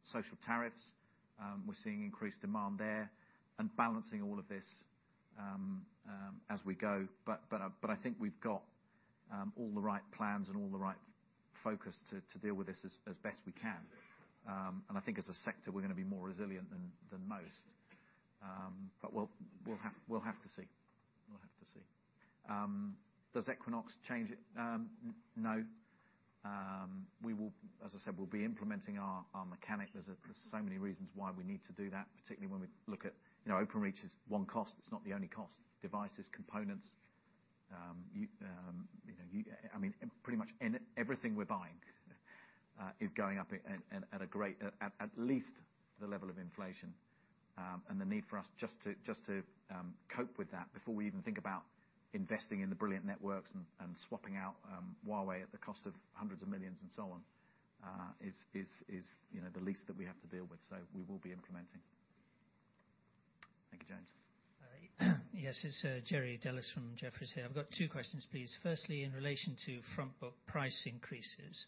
social tariffs. We're seeing increased demand there and balancing all of this as we go. I think we've got all the right plans and all the right focus to deal with this as best we can. I think as a sector, we're gonna be more resilient than most. We'll have to see. We'll have to see. Does Equinox change it? No. As I said, we'll be implementing our mechanic. There's so many reasons why we need to do that, particularly when we look at, you know, Openreach is one cost. It's not the only cost. Devices, components, you know, I mean, pretty much everything we're buying is going up at a great, at least the level of inflation. The need for us just to cope with that before we even think about investing in the brilliant networks and swapping out Huawei at the cost of hundreds of millions and so on, is, you know, the least that we have to deal with. We will be implementing. Thank you, James. Yes, it's Jerry Dellis from Jefferies here. I've got two questions, please. Firstly, in relation to front book price increases,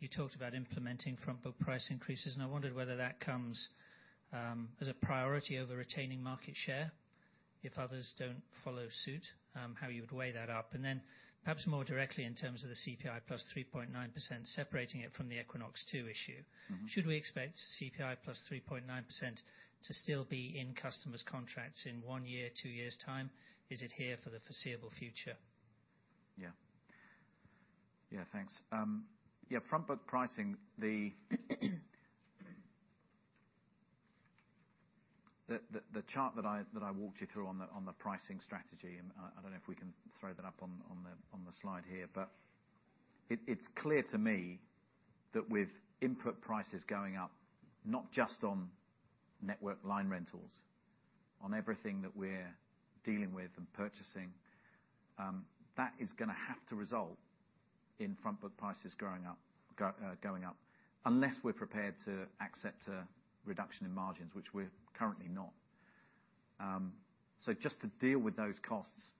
you talked about implementing front book price increases, and I wondered whether that comes as a priority over retaining market share if others don't follow suit, how you would weigh that up. Perhaps more directly in terms of the CPI plus 3.9%, separating it from the Equinox 2 issue. Mm-hmm. Should we expect CPI plus 3.9% to still be in customers' contracts in one year, two years' time? Is it here for the foreseeable future? Yeah. Yeah. Thanks. Yeah, front book pricing, the chart that I, that I walked you through on the, on the pricing strategy, and I don't know if we can throw that up on the, on the slide here. It's clear to me that with input prices going up, not just on network line rentals, on everything that we're dealing with and purchasing, that is gonna have to result in front book prices growing up, going up. Unless we're prepared to accept a reduction in margins, which we're currently not. Just to deal with those costs,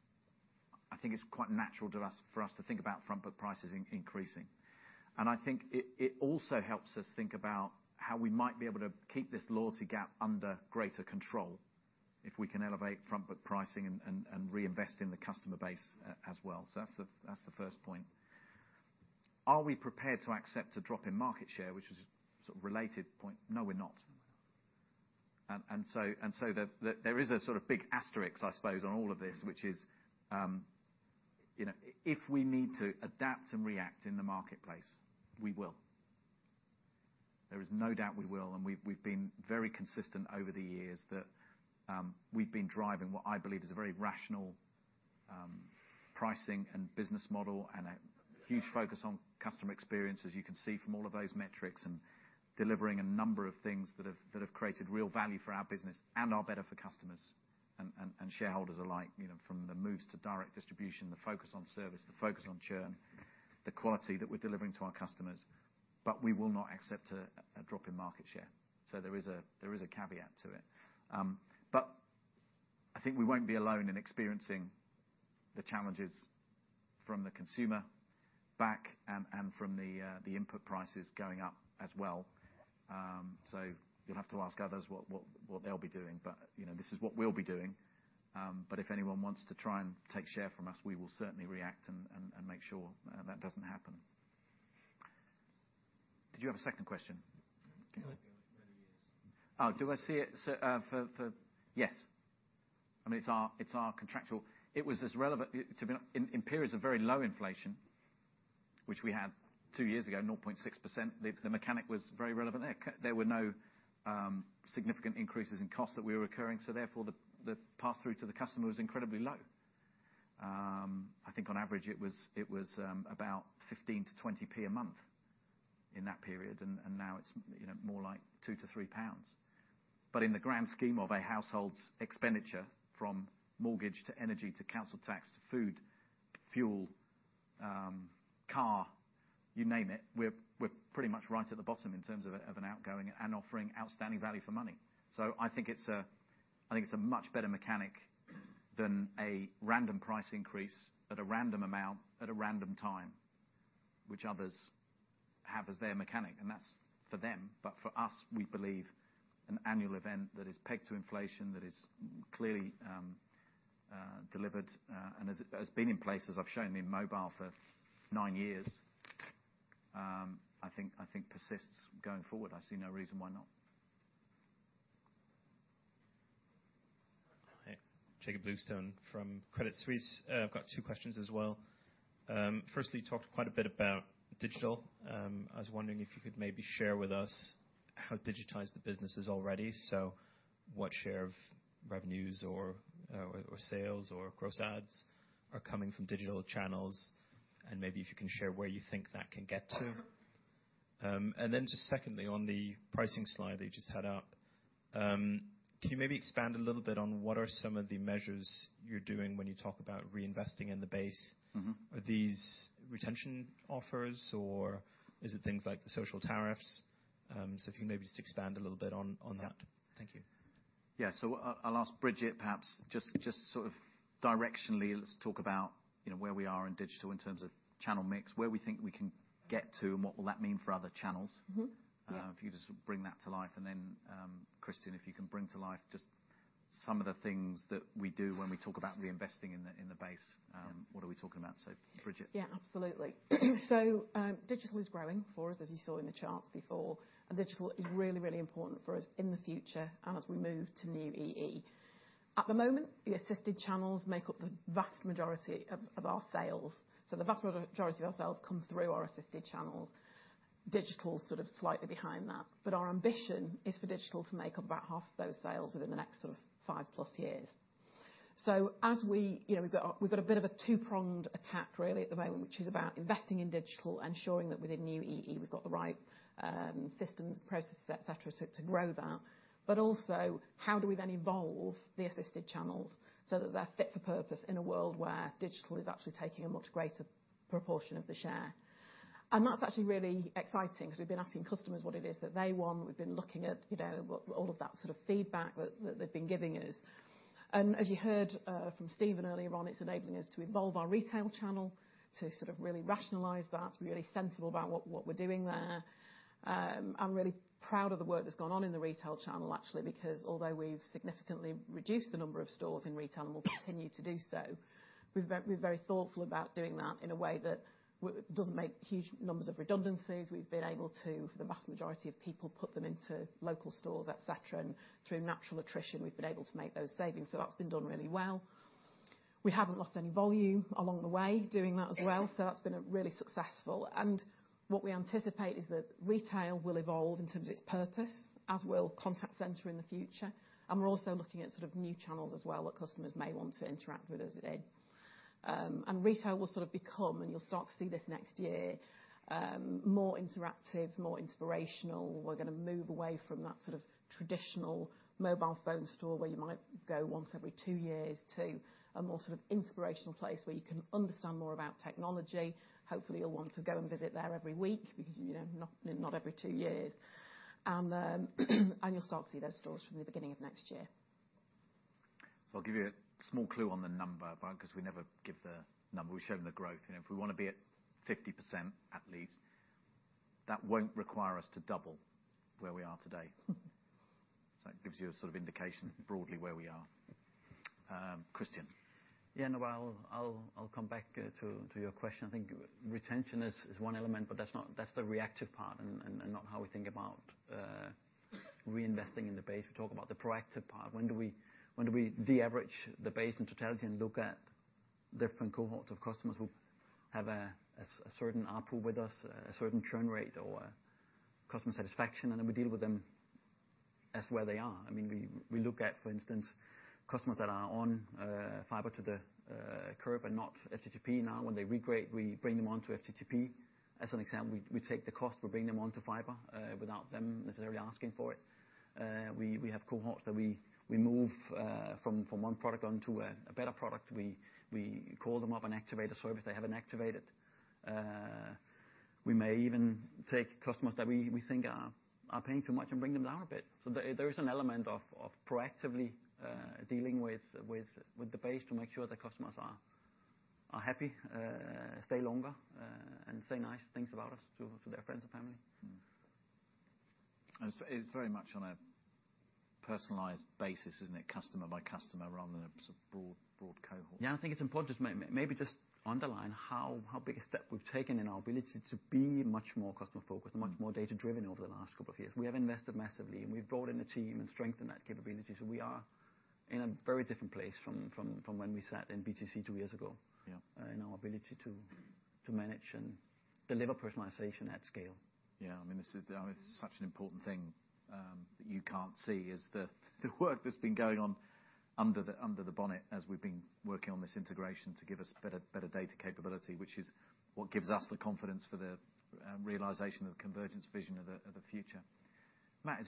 I think it's quite natural to us, for us to think about front book prices increasing. I think it also helps us think about how we might be able to keep this loyalty gap under greater control if we can elevate front book pricing and reinvest in the customer base as well. That's the first point. Are we prepared to accept a drop in market share, which is a sort of related point? No, we're not. There is a sort of big asterisk, I suppose, on all of this, which is, you know, if we need to adapt and react in the marketplace, we will. There is no doubt we will, and we've been very consistent over the years that we've been driving what I believe is a very rational pricing and business model and a huge focus on customer experience, as you can see from all of those metrics. Delivering a number of things that have created real value for our business and are better for customers and shareholders alike, you know, from the moves to direct distribution, the focus on service, the focus on churn, the quality that we're delivering to our customers. We will not accept a drop in market share. There is a caveat to it. I think we won't be alone in experiencing the challenges from the consumer back and from the input prices going up as well. You'll have to ask others what they'll be doing. You know, this is what we'll be doing. If anyone wants to try and take share from us, we will certainly react and make sure that doesn't happen. Did you have a second question? Like many years. Do I see it? Yes. I mean, it's our contractual. It was as relevant to be. In periods of very low inflation, which we had two years ago, 0.6%, the mechanic was very relevant. There were no significant increases in costs that we were occurring, therefore, the pass-through to the customer was incredibly low. I think on average, it was about 0.15-0.20 a month in that period, and now it's, you know, more like 2-3 pounds. In the grand scheme of a household's expenditure from mortgage to energy to council tax to food, fuel, car, you name it, we're pretty much right at the bottom in terms of an outgoing and offering outstanding value for money. I think it's a much better mechanic than a random price increase at a random amount at a random time, which others have as their mechanic. That's for them. For us, we believe an annual event that is pegged to inflation, that is clearly delivered and has been in place, as I've shown, in mobile for nine years, I think persists going forward. I see no reason why not. Hi. Jakob Bluestone from Credit Suisse. I've got two questions as well. Firstly, you talked quite a bit about digital. I was wondering if you could maybe share with us how digitized the business is already. What share of revenues or sales or gross ads are coming from digital channels, and maybe if you can share where you think that can get to. Just secondly, on the pricing slide that you just had up, can you maybe expand a little bit on what are some of the measures you're doing when you talk about reinvesting in the base? Mm-hmm. Are these retention offers, or is it things like the social tariffs? If you can maybe just expand a little bit on that. Thank you. Yeah. I'll ask Bridget perhaps just sort of directionally, let's talk about, you know, where we are in digital in terms of channel mix, where we think we can get to, and what will that mean for other channels. Mm-hmm. Yeah. If you just bring that to life, Christian, if you can bring to life just some of the things that we do when we talk about reinvesting in the, in the base, what are we talking about? Bridget. Yeah, absolutely. digital is growing for us, as you saw in the charts before, digital is really, really important for us in the future and as we move to new EE. At the moment, the assisted channels make up the vast majority of our sales. The vast majority of our sales come through our assisted channels. Digital's sort of slightly behind that. Our ambition is for digital to make up about half of those sales within the next sort of five-plus years. You know, we've got a bit of a two-pronged attack really at the moment, which is about investing in digital, ensuring that within new EE we've got the right systems, processes, et cetera, to grow that. Also, how do we then evolve the assisted channels so that they're fit for purpose in a world where digital is actually taking a much greater proportion of the share? That's actually really exciting because we've been asking customers what it is that they want. We've been looking at, you know, what all of that sort of feedback that they've been giving us. As you heard from Stephen earlier on, it's enabling us to evolve our retail channel to sort of really rationalize that, be really sensible about what we're doing there. I'm really proud of the work that's gone on in the retail channel actually because although we've significantly reduced the number of stores in retail and will continue to do so, we've been very thoughtful about doing that in a way that doesn't make huge numbers of redundancies. We've been able to, for the vast majority of people, put them into local stores, et cetera, and through natural attrition, we've been able to make those savings. That's been done really well. We haven't lost any volume along the way doing that as well, so that's been really successful. What we anticipate is that retail will evolve in terms of its purpose, as will contact center in the future, and we're also looking at sort of new channels as well that customers may want to interact with us in. And retail will sort of become, and you'll start to see this next year, more interactive, more inspirational. We're gonna move away from that sort of traditional mobile phone store where you might go once every two years to a more sort of inspirational place where you can understand more about technology. Hopefully, you'll want to go and visit there every week because, you know, not every two years. You'll start to see those stores from the beginning of next year. I'll give you a small clue on the number because we never give the number. We've shown the growth, if we wanna be at 50%, at least, that won't require us to double where we are today. It gives you a sort of indication broadly where we are. Christian. I'll come back to your question. I think retention is one element, but that's the reactive part and not how we think about reinvesting in the base. We talk about the proactive part. When do we de-average the base in totality and look at different cohorts of customers who have a certain ARPU with us, a certain churn rate or customer satisfaction, and then we deal with them as where they are. I mean, we look at, for instance, customers that are on fiber to the curb and not FTTP now. When they regrade, we bring them onto FTTP. As an example, we take the cost, we bring them onto fiber without them necessarily asking for it. We have cohorts that we move from one product onto a better product. We call them up and activate a service they haven't activated. We may even take customers that we think are paying too much and bring them down a bit. There is an element of proactively dealing with the base to make sure the customers are happy, stay longer, and say nice things about us to their friends and family. It's very much on a personalized basis, isn't it? Customer by customer rather than a sort of broad cohort. Yeah, I think it's important to maybe just underline how big a step we've taken in our ability to be much more customer-focused and much more data-driven over the last couple of years. We have invested massively, we've brought in a team and strengthened that capability, we are in a very different place from when we sat in BTC two years ago. Yeah ...in our ability to manage and deliver personalization at scale. I mean, this is, I mean, it's such an important thing that you can't see is the work that's been going on under the bonnet as we've been working on this integration to give us better data capability, which is what gives us the confidence for the realization of the convergence vision of the future. Matt,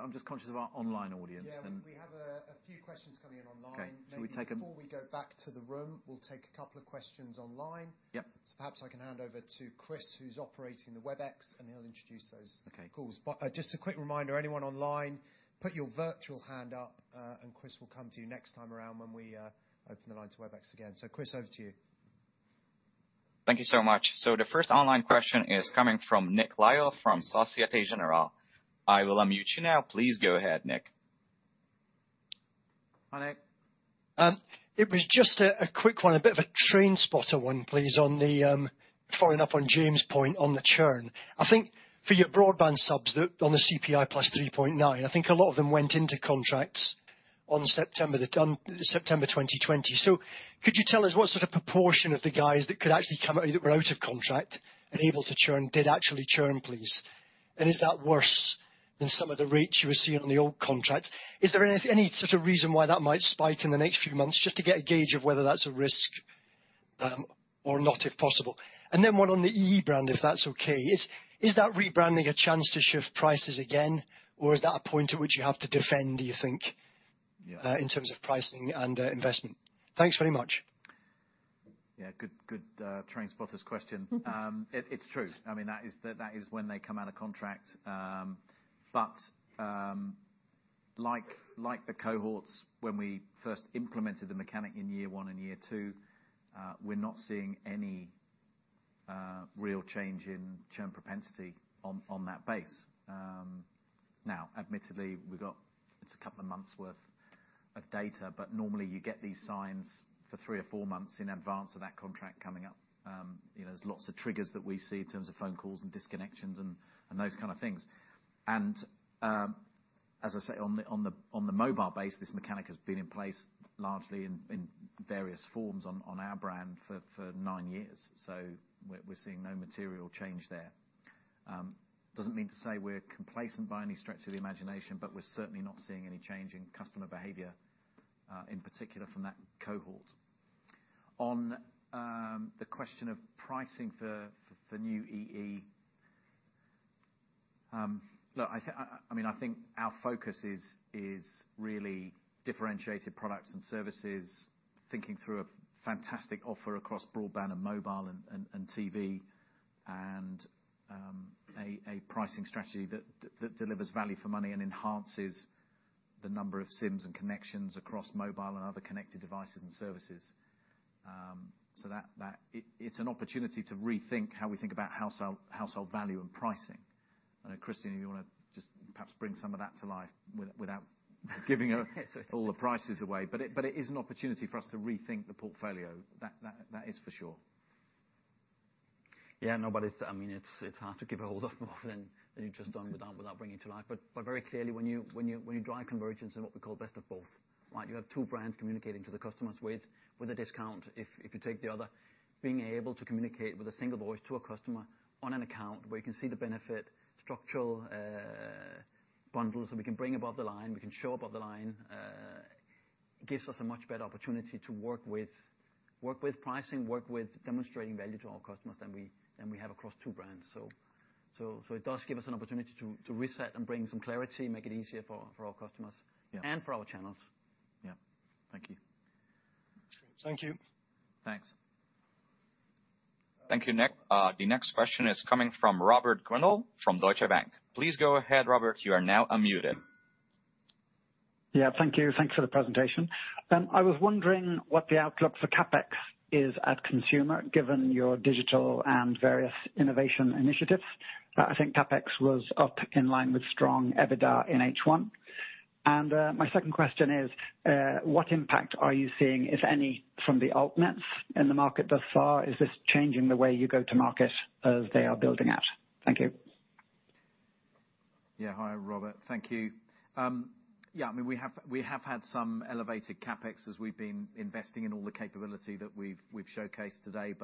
I'm just conscious of our online audience. Yeah. We have a few questions coming in online. Okay. Should we take them? Maybe before we go back to the room, we'll take a couple of questions online. Yeah. Perhaps I can hand over to Chris, who's operating the Webex, and he'll introduce. Okay. calls. Just a quick reminder, anyone online, put your virtual hand up, and Chris will come to you next time around when we open the line to Webex again. Chris, over to you. Thank you so much. The first online question is coming from Nicolas Lai from Societe Generale. I will unmute you now. Please go ahead, Nick. Hi, Nick. It was just a quick one, a bit of a train spotter one, please, on the following up on James' point on the churn. I think for your broadband subs that are on the CPI plus 3.9%, I think a lot of them went into contracts on September 2020. Could you tell us what sort of proportion of the guys that could actually that were out of contract and able to churn, did actually churn, please? Is that worse than some of the rates you were seeing on the old contracts? Is there any sort of reason why that might spike in the next few months, just to get a gauge of whether that's a risk or not, if possible? One on the EE brand, if that's okay. Is that rebranding a chance to shift prices again, or is that a point at which you have to defend, do you think? Yeah. In terms of pricing and investment? Thanks very much. Good, good train spotter's question. It's true. I mean, that is the, that is when they come out of contract. But, like the cohorts when we first implemented the mechanic in year one and year two, we're not seeing any real change in churn propensity on that base. Now, admittedly, we've got. It's a couple of months' worth of data, but normally you get these signs for three or four months in advance of that contract coming up. You know, there's lots of triggers that we see in terms of phone calls and disconnections and those kind of things. As I say, on the mobile base, this mechanic has been in place largely in various forms on our brand for nine years. We're seeing no material change there. Doesn't mean to say we're complacent by any stretch of the imagination, but we're certainly not seeing any change in customer behavior in particular from that cohort. On the question of pricing for new EE, I think our focus is really differentiated products and services, thinking through a fantastic offer across Broadband and Mobile and TV, and a pricing strategy that delivers value for money and enhances the number of SIMs and connections across mobile and other connected devices and services. It's an opportunity to rethink how we think about household value and pricing. I know, Christian, you wanna just perhaps bring some of that to life without giving all the prices away. It is an opportunity for us to rethink the portfolio. That is for sure. Yeah. I mean, it's hard to give a whole lot more than you've just done without bringing to life. Very clearly, when you drive convergence in what we call best of both, right? You have two brands communicating to the customers with a discount if you take the other. Being able to communicate with a single voice to a customer on an account where you can see the benefit, structural bundles that we can bring above the line, we can show above the line gives us a much better opportunity to work with pricing, work with demonstrating value to our customers than we have across two brands. It does give us an opportunity to reset and bring some clarity, make it easier for our customers- Yeah. and for our channels. Yeah. Thank you. Thank you. Thanks. Thank you, Nick. The next question is coming from Robert Grindle from Deutsche Bank. Please go ahead, Robert. You are now unmuted. Thank you. Thanks for the presentation. I was wondering what the outlook for CapEx is at Consumer, given your digital and various innovation initiatives. I think CapEx was up in line with strong EBITDA in H1. My second question is, what impact are you seeing, if any, from the Altnets in the market thus far? Is this changing the way you go to market as they are building out? Thank you. Yeah. Hi, Robert. Thank you. Yeah, I mean, we have had some elevated CapEx as we've been investing in all the capability that we've showcased today.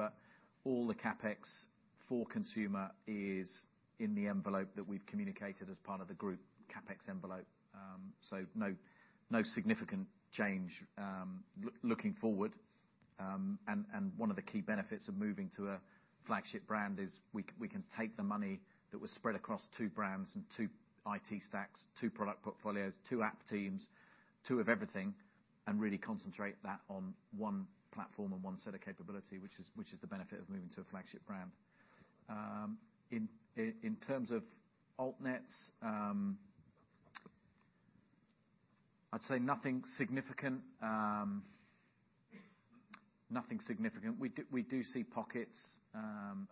All the CapEx for Consumer is in the envelope that we've communicated as part of the Group CapEx envelope. No significant change looking forward. One of the key benefits of moving to a flagship brand is we can take the money that was spread across two brands and two IT stacks, two product portfolios, two app teams, two of everything, and really concentrate that on one platform and one set of capability, which is the benefit of moving to a flagship brand. In terms of Altnets, I'd say nothing significant. We do, we do see pockets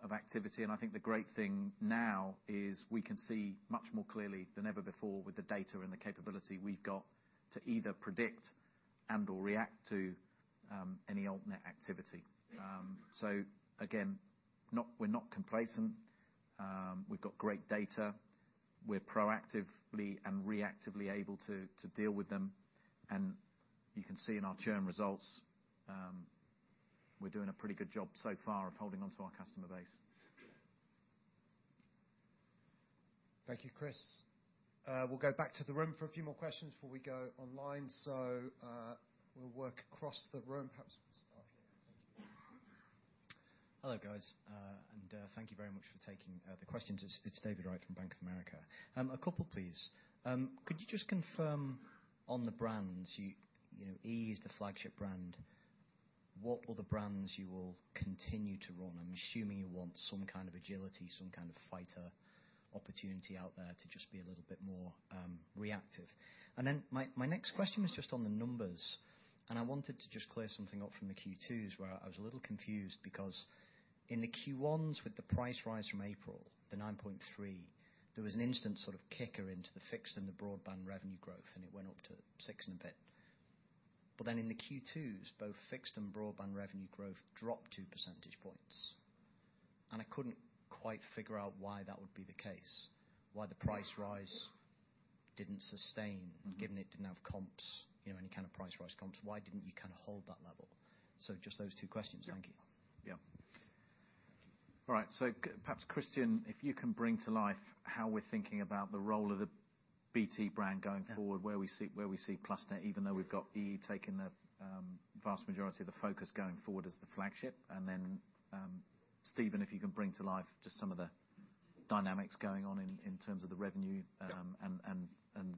of activity, and I think the great thing now is we can see much more clearly than ever before with the data and the capability we've got to either predict and/or react to any Altnet activity. Again, not, we're not complacent. We've got great data. We're proactively and reactively able to deal with them, and you can see in our churn results, we're doing a pretty good job so far of holding onto our customer base. Thank you, Chris. We'll go back to the room for a few more questions before we go online. We'll work across the room. Perhaps we start here. Thank you. Hello, guys. Thank you very much for taking the questions. It's David Wright from Bank of America. A couple, please. Could you just confirm on the brands, you know, EE is the flagship brand. What other brands you will continue to run? I'm assuming you want some kind of agility, some kind of fighter opportunity out there to just be a little bit more reactive. My next question was just on the numbers. I wanted to just clear something up from the Q2s, where I was a little confused because in the Q1s with the price rise from April, the 9.3%, there was an instant sort of kicker into the fixed and the broadband revenue growth, and it went up to six and a bit. In the Q2s, both fixed and broadband revenue growth dropped 2 percentage points. I couldn't quite figure out why that would be the case, why the price rise didn't sustain- Mm-hmm. given it didn't have comps, you know, any kind of price rise comps. Why didn't you kind of hold that level? Just those two questions. Thank you. Yeah. Yeah. All right. Perhaps, Christian, if you can bring to life how we're thinking about the role of the BT brand going forward. Yeah. where we see Plusnet, even though we've got EE taking the vast majority of the focus going forward as the flagship. Stephen, if you can bring to life just some of the dynamics going on in terms of the revenue- Yeah. and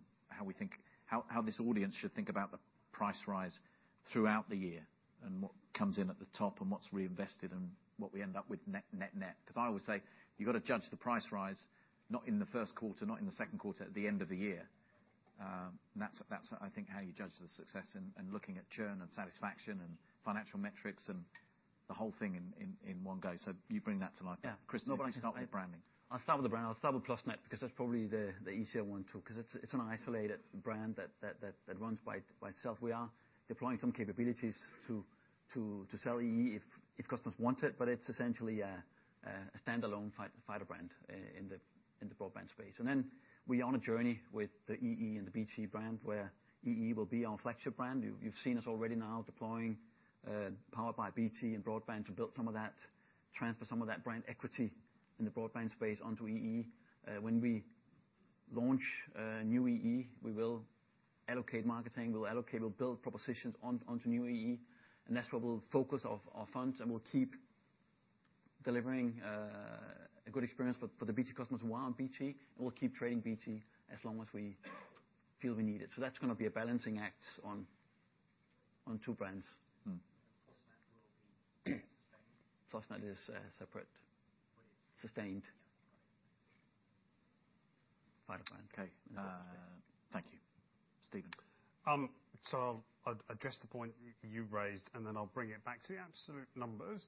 how this audience should think about the price rise throughout the year and what comes in at the top and what's reinvested and what we end up with net, net. 'Cause I always say you've gotta judge the price rise, not in the first quarter, not in the second quarter, at the end of the year. That's I think how you judge the success and looking at churn and satisfaction and financial metrics and the whole thing in one go. You bring that to life. Yeah. Christian, why don't you start with the branding? I'll start with the brand. I'll start with Plusnet because that's probably the easier one to cause it's an isolated brand that runs by itself. We are deploying some capabilities to sell EE if customers want it, but it's essentially a standalone fighter brand in the broadband space. Then we on a journey with the EE and the BT brand where EE will be our flagship brand. You've seen us already now deploying powered by BT and broadband to build some of that, transfer some of that brand equity in the broadband space onto EE. When we launch new EE, we will allocate marketing, we'll allocate, we'll build propositions onto new EE. That's where we'll focus our funds. We'll keep delivering a good experience for the BT customers while on BT. We'll keep trading BT as long as we feel we need it. That's gonna be a balancing act on two brands. Mm. Plusnet will be sustained? Plusnet is separate. But it's- Sustained Yeah, right. Fighter brand. Okay. Thank you, Stephen. I'll address the point you raised, and then I'll bring it back to the absolute numbers.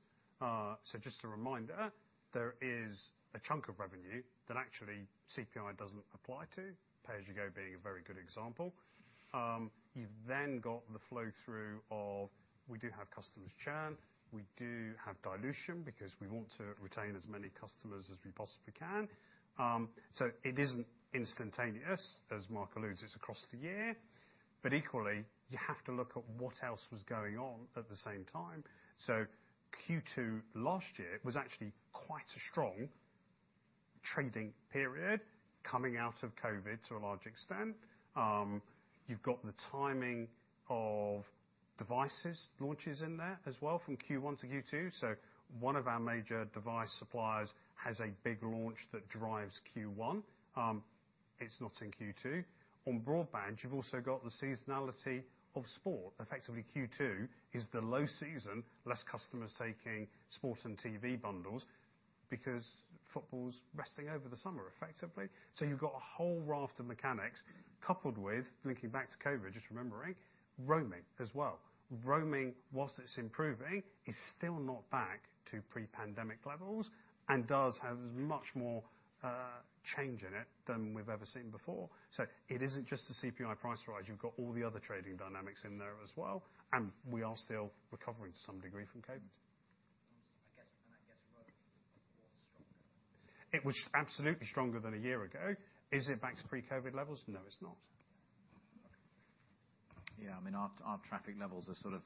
Just a reminder, there is a chunk of revenue that actually CPI doesn't apply to, pay as you go being a very good example. You've got the flow through of, we do have customers churn, we do have dilution because we want to retain as many customers as we possibly can. It isn't instantaneous, as Marc alludes, it's across the year. Equally, you have to look at what else was going on at the same time. Q2 last year was actually quite a strong trading period coming out of COVID to a large extent. You've got the timing of devices launches in there as well from Q1 to Q2. One of our major device suppliers has a big launch that drives Q1. It's not in Q2. On broadband, you've also got the seasonality of sport. Effectively, Q2 is the low season, less customers taking sport and TV bundles because football's resting over the summer, effectively. You've got a whole raft of mechanics coupled with, linking back to COVID, just remembering, roaming as well. Roaming, whilst it's improving, is still not back to pre-pandemic levels and does have much more change in it than we've ever seen before. It isn't just the CPI price rise. You've got all the other trading dynamics in there as well, and we are still recovering to some degree from COVID. I guess, and I guess roaming was stronger. It was absolutely stronger than a year ago. Is it back to pre-COVID levels? No, it's not. Okay. Yeah. I mean, our traffic levels are sort of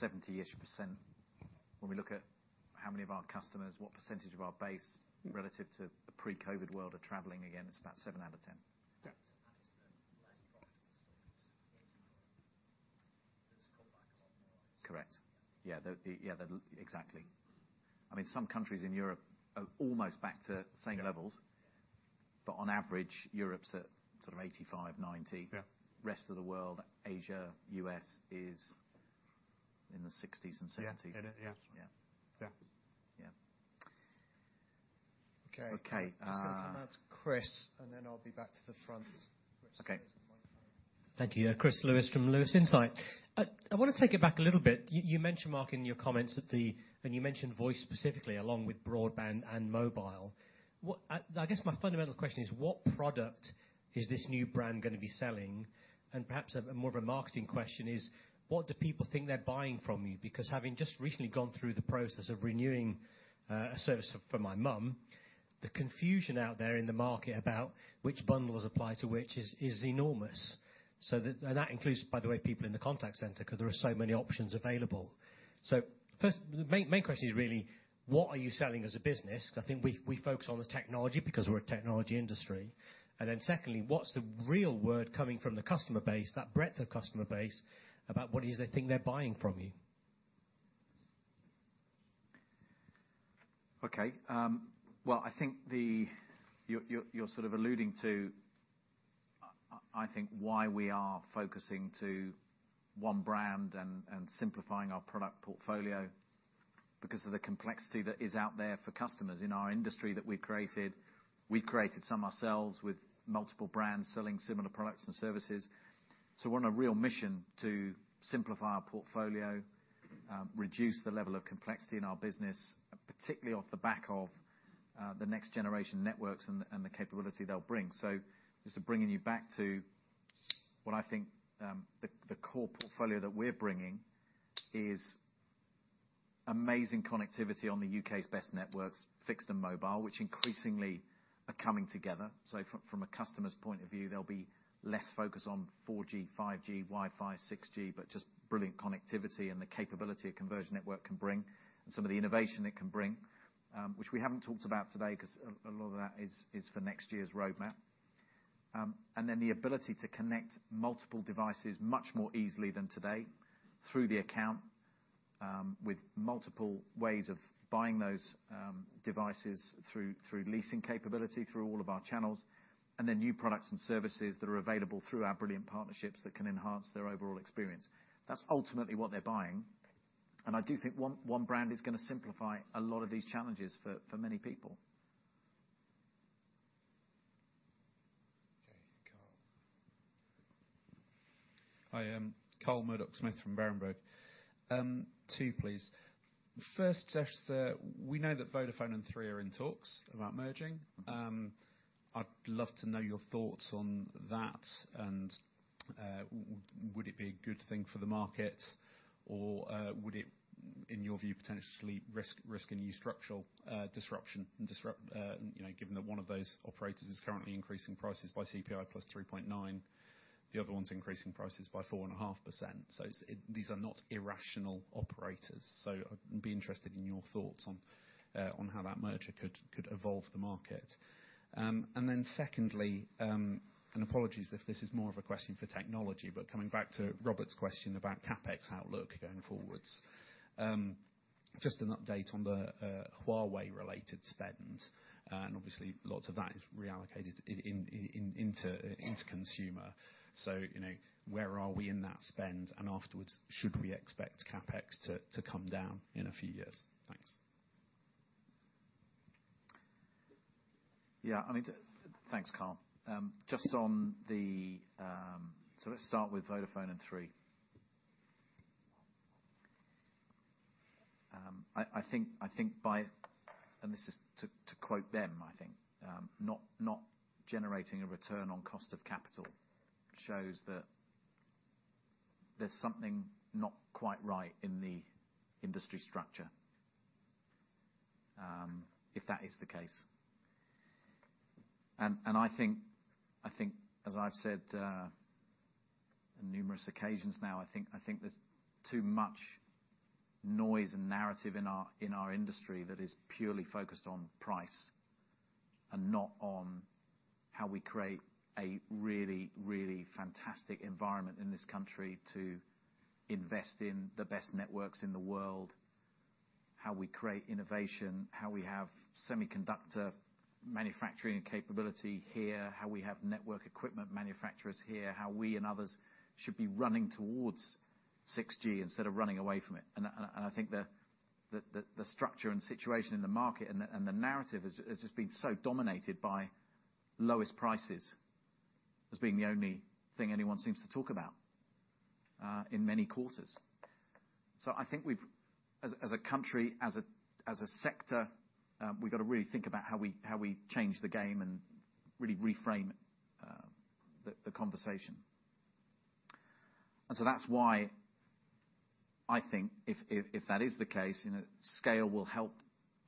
70-ish %. When we look at how many of our customers, what percentage of our base- Mm. relative to the pre-COVID world are traveling again, it's about seven out of 10. Yeah. It's the less profitable customers going to work. There's a comeback of. Correct. Yeah. Exactly. I mean, some countries in Europe are almost back to same levels. Yeah. On average, Europe's at sort of 85%, 90%. Yeah. Rest of the world, Asia, U.S., is in the 60s and 70s. Yeah. In it, yeah. Yeah. Yeah. Yeah. Okay. Okay. Just gonna come now to Chris, and then I'll be back to the front. Okay. Chris, there's the microphone. Thank you. Chris Lewis from Lewis Insight. I wanna take it back a little bit. You, you mentioned, Marc, in your comments and you mentioned voice specifically along with Broadband and Mobile. What, I guess my fundamental question is, what product is this new brand gonna be selling? Perhaps a more of a marketing question is, what do people think they're buying from you? Because having just recently gone through the process of renewing a service for my mum, the confusion out there in the market about which bundles apply to which is enormous. That includes, by the way, people in the contact center, 'cause there are so many options available. First, the main question is really, what are you selling as a business? I think we focus on the technology because we're a technology industry. Secondly, what's the real word coming from the customer base, that breadth of customer base, about what it is they think they're buying from you? Okay. Well, I think you're sort of alluding to why we are focusing to one brand and simplifying our product portfolio because of the complexity that is out there for customers in our industry that we've created. We've created some ourselves with multiple brands selling similar products and services. We're on a real mission to simplify our portfolio, reduce the level of complexity in our business, particularly off the back of the next generation networks and the capability they'll bring. Just bringing you back to what I think the core portfolio that we're bringing is amazing connectivity on the U.K.'s best networks, fixed and mobile, which increasingly are coming together. From a customer's point of view, they'll be less focused on 4G, 5G, Wi-Fi, 6G, but just brilliant connectivity and the capability a conversion network can bring, and some of the innovation it can bring, which we haven't talked about today 'cause a lot of that is for next year's roadmap. The ability to connect multiple devices much more easily than today through the account, with multiple ways of buying those devices through leasing capability, through all of our channels, and the new products and services that are available through our brilliant partnerships that can enhance their overall experience. That's ultimately what they're buying. I do think one brand is gonna simplify a lot of these challenges for many people. Okay. Carl. Hi, Carl Murdock-Smith from Berenberg. Two, please. First, Stephen, we know that Vodafone and Three are in talks about merging. I'd love to know your thoughts on that, would it be a good thing for the market or would it, in your view, potentially risk any structural disruption, you know, given that one of those operators is currently increasing prices by CPI + 3.9%, the other one's increasing prices by 4.5%. These are not irrational operators, so I'd be interested in your thoughts on how that merger could evolve the market. Secondly, apologies if this is more of a question for technology, but coming back to Robert's question about CapEx outlook going forwards. Just an update on the Huawei related spend. Obviously lots of that is reallocated into consumer. You know, where are we in that spend? Afterwards, should we expect CapEx to come down in a few years? Thanks. Yeah. I mean, thanks, Carl. Let's start with Vodafone and Three. I think by, and this is to quote them, I think, not generating a return on cost of capital shows that there's something not quite right in the industry structure, if that is the case. I think, I think, as I've said, in numerous occasions now, I think, I think there's too much noise and narrative in our industry that is purely focused on price and not on how we create a really, really fantastic environment in this country to invest in the best networks in the world, how we create innovation, how we have semiconductor manufacturing capability here, how we have network equipment manufacturers here, how we and others should be running towards 6G instead of running away from it. I think the structure and situation in the market and the narrative has just been so dominated by lowest prices as being the only thing anyone seems to talk about, in many quarters. I think as a country, as a sector, we've gotta really think about how we, how we change the game and really reframe the conversation. That's why I think if that is the case, you know, scale will help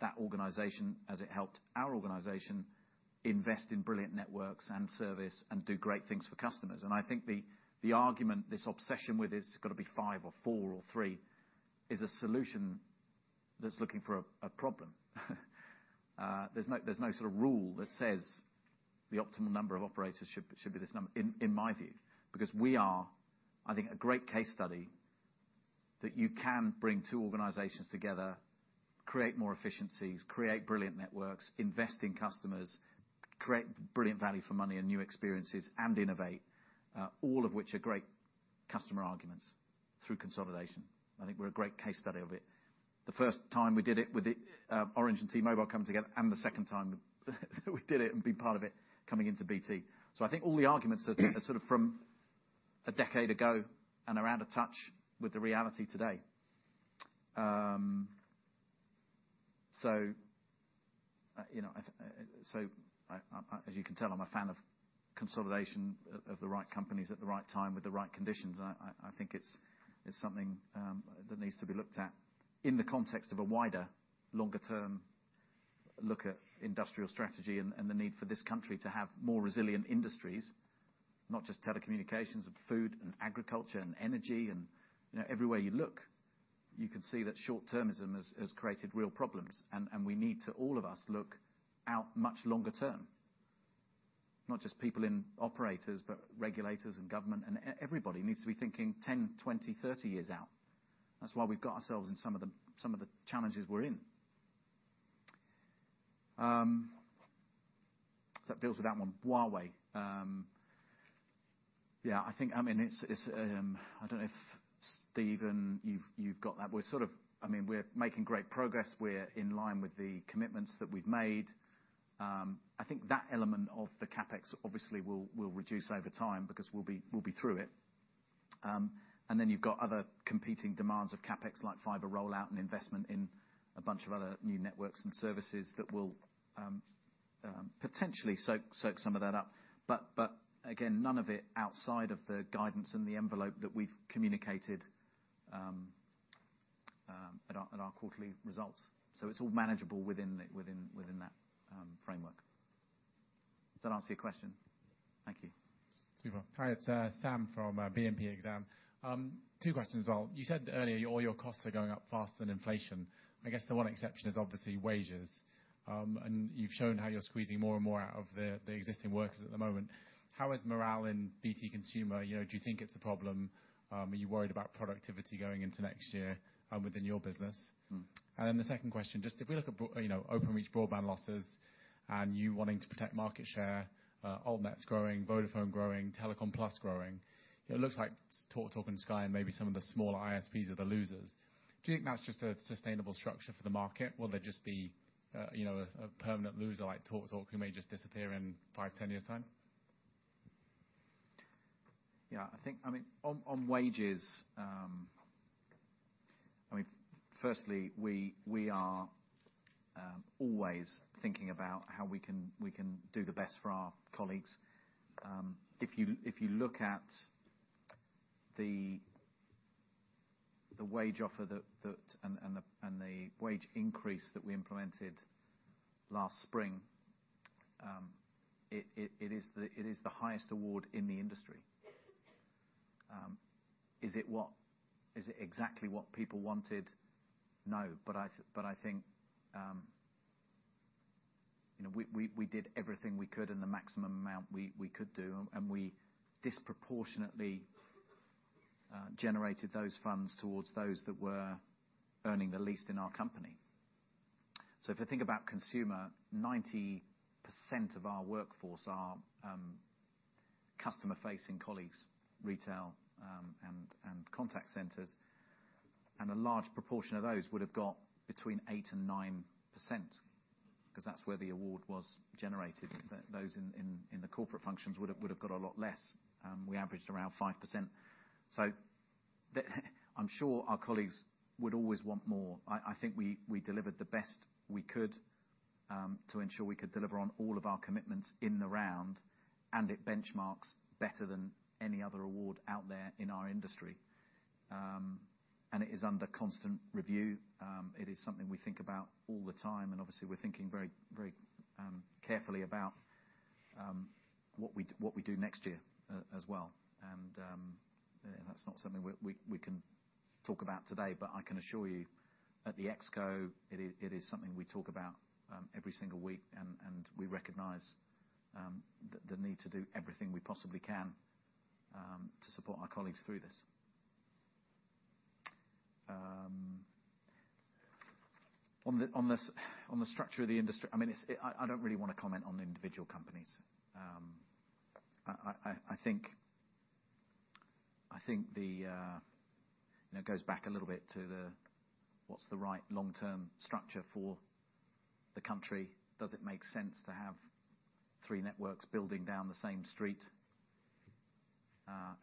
that organization, as it helped our organization, invest in brilliant networks and service and do great things for customers. I think the argument, this obsession with it's gotta be five or four or three, is a solution that's looking for a problem. There's no sort of rule that says the optimal number of operators should be this number, in my view. We are, I think, a great case study that you can bring two organizations together, create more efficiencies, create brilliant networks, invest in customers, create brilliant value for money and new experiences, and innovate, all of which are great customer arguments through consolidation. I think we're a great case study of it. The first time we did it with the Orange and T-Mobile coming together and the second time we did it and been part of it coming into BT. I think all the arguments are sort of from a decade ago and are out of touch with the reality today. You know, I, as you can tell, I'm a fan of consolidation of the right companies at the right time with the right conditions. I think it's something that needs to be looked at in the context of a wider, longer term look at industrial strategy and the need for this country to have more resilient industries, not just telecommunications and food and agriculture and energy and, you know, everywhere you look, you can see that short-termism has created real problems. We need to, all of us, look out much longer term. Not just people in operators, but regulators and government and everybody needs to be thinking 10, 20, 30 years out. That's why we've got ourselves in some of the challenges we're in. So that deals with that one. Huawei. Yeah, I think, I mean, it's, I don't know if, Steven, you've got that. We're sort of... I mean, we're making great progress. We're in line with the commitments that we've made. I think that element of the CapEx obviously will reduce over time because we'll be through it. Then you've got other competing demands of CapEx, like fiber rollout and investment in a bunch of other new networks and services that will potentially soak some of that up. Again, none of it outside of the guidance and the envelope that we've communicated, at our quarterly results. It's all manageable within that framework. Does that answer your question? Thank you. Super. Hi, it's Sam from BNP Exane. Two questions. You said earlier your costs are going up faster than inflation. I guess the one exception is obviously wages. You've shown how you're squeezing more and more out of the existing workers at the moment. How is morale in BT Consumer? You know, do you think it's a problem? Are you worried about productivity going into next year within your business? Mm. The second question, just if we look at you know, Openreach broadband losses and you wanting to protect market share, Altnet's growing, Vodafone growing, Telecom Plus growing, it looks like TalkTalk and Sky and maybe some of the smaller ISPs are the losers. Do you think that's just a sustainable structure for the market? Will there just be, you know, a permanent loser like TalkTalk who may just disappear in five, 10 years' time? I think, I mean, on wages, I mean, firstly, we are always thinking about how we can do the best for our colleagues. If you look at the wage offer that, and the wage increase that we implemented last spring, it is the highest award in the industry. Is it exactly what people wanted? No. I think, you know, we did everything we could in the maximum amount we could do, and we disproportionately generated those funds towards those that were earning the least in our company. If I think about Consumer, 90% of our workforce are customer-facing colleagues, retail, and contact centers, and a large proportion of those would have got between 8% and 9%, 'cause that's where the award was generated. Those in, in the corporate functions would've got a lot less. We averaged around 5%. I'm sure our colleagues would always want more. I think we delivered the best we could to ensure we could deliver on all of our commitments in the round, and it benchmarks better than any other award out there in our industry. It is under constant review. It is something we think about all the time, and obviously we're thinking very, very carefully about what we, what we do next year as well. That's not something we can talk about today, but I can assure you at the ExCo, it is something we talk about every single week, and we recognize the need to do everything we possibly can to support our colleagues through this. On the structure of the industry, I mean, I don't really wanna comment on individual companies. I think the, you know, it goes back a little bit to the what's the right long-term structure for the country. Does it make sense to have three networks building down the same street,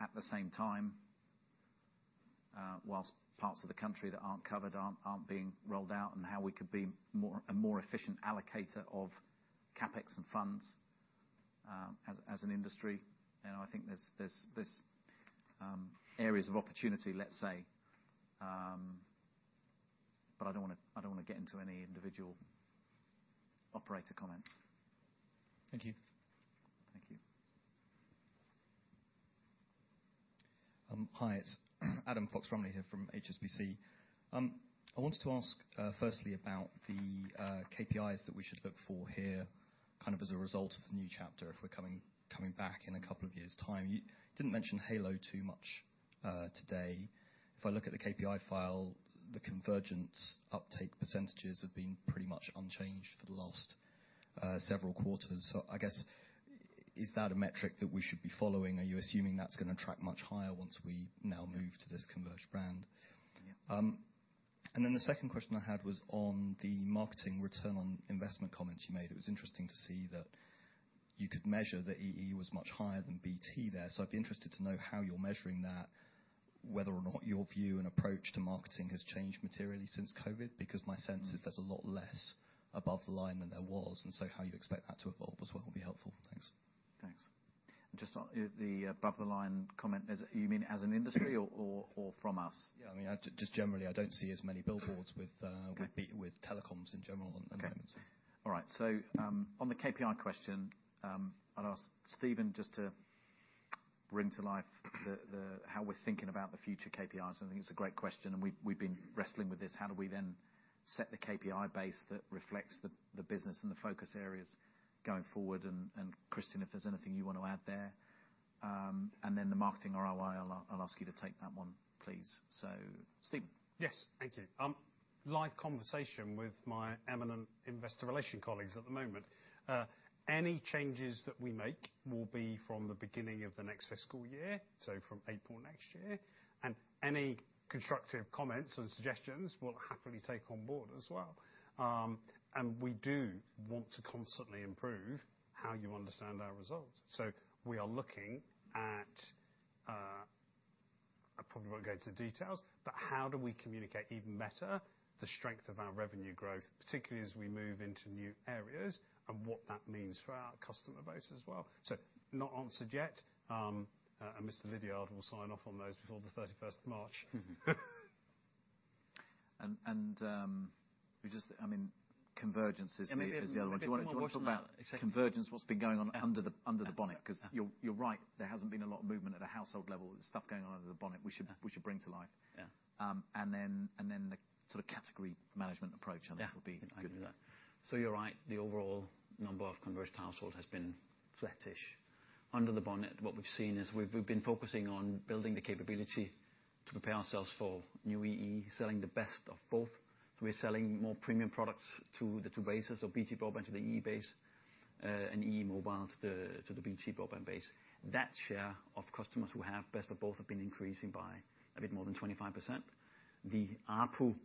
at the same time, whilst parts of the country that aren't covered aren't being rolled out, and how we could be more, a more efficient allocator of CapEx and funds, as an industry? You know, I think there's areas of opportunity, let's say. I don't wanna get into any individual operator comments. Thank you. Thank you. Hi. It's Adam Fox-Rumley here from HSBC. I wanted to ask, firstly about the KPIs that we should look for here, kind of as a result of the new chapter, if we're coming back in a couple of years' time. You didn't mention Halo too much today. If I look at the KPI file, the convergence uptake percentages have been pretty much unchanged for the last several quarters. I guess is that a metric that we should be following? Are you assuming that's gonna track much higher once we now move to this converged brand? Yeah. The second question I had was on the marketing ROI comment you made. It was interesting to see that you could measure that EE was much higher than BT there. I'd be interested to know how you're measuring that, whether or not your view and approach to marketing has changed materially since COVID, because my sense is there's a lot less above the line than there was, how you expect that to evolve as well would be helpful. Thanks. Thanks. Just on the above the line comment, you mean as an industry or from us? Yeah. I mean, just generally, I don't see as many billboards with- Okay. ...with telecoms in general at the moment. Okay. All right. On the KPI question, I'll ask Stephen just to bring to life the how we're thinking about the future KPIs. I think it's a great question, and we've been wrestling with this. How do we then set the KPI base that reflects the business and the focus areas going forward? Christian, if there's anything you want to add there. Then the marketing ROI, I'll ask you to take that one, please. Stephen. Yes. Thank you. Live conversation with my eminent investor relation colleagues at the moment. Any changes that we make will be from the beginning of the next fiscal year, so from April next year. Any constructive comments and suggestions we'll happily take on board as well. We do want to constantly improve how you understand our results. We are looking at, I probably won't go into details, but how do we communicate even better the strength of our revenue growth, particularly as we move into new areas, and what that means for our customer base as well. Not answered yet, and Mr. Lidiard will sign off on those before the 31st of March. I mean, convergence is the other one. Maybe one more thing about... Do you want to talk about convergence, what's been going on under the bonnet? You're right, there hasn't been a lot of movement at a household level. There's stuff going on under the bonnet we should bring to life. Yeah. The sort of category management approach. Yeah. I think will be good as well. You're right, the overall number of converged household has been flattish. Under the bonnet, what we've seen is we've been focusing on building the capability to prepare ourselves for new EE, selling the best of both. We're selling more premium products to the two bases, so BT Broadband to the EE base, and EE Mobile to the, to the BT Broadband base. That share of customers who have best of both have been increasing by a bit more than 25%. The ARPU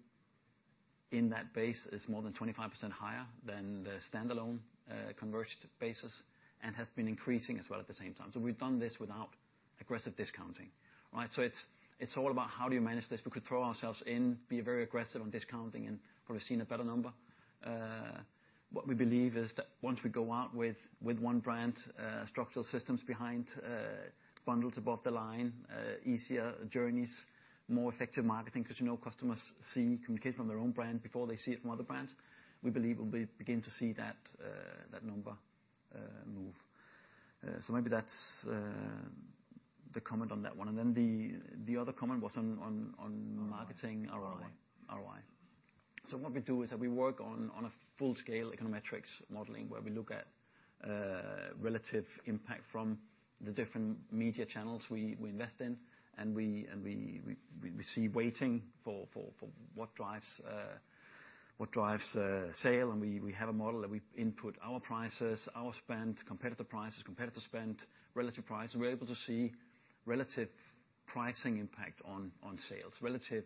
in that base is more than 25% higher than the standalone, converged bases and has been increasing as well at the same time. We've done this without aggressive discounting. Right? It's all about how do you manage this. We could throw ourselves in, be very aggressive on discounting, and probably seen a better number. What we believe is that once we go out with one brand, structural systems behind, bundles above the line, easier journeys, more effective marketing, 'cause, you know, customers see communication from their own brand before they see it from other brands. We believe we'll begin to see that number move. Maybe that's the comment on that one. The other comment was on marketing ROI. ROI. ROI. What we do is that we work on a full-scale econometrics modeling, where we look at relative impact from the different media channels we invest in. We see waiting for what drives what drives sale. We have a model that we input our prices, our spend, competitor prices, competitor spend, relative price, and we're able to see relative pricing impact on sales, relative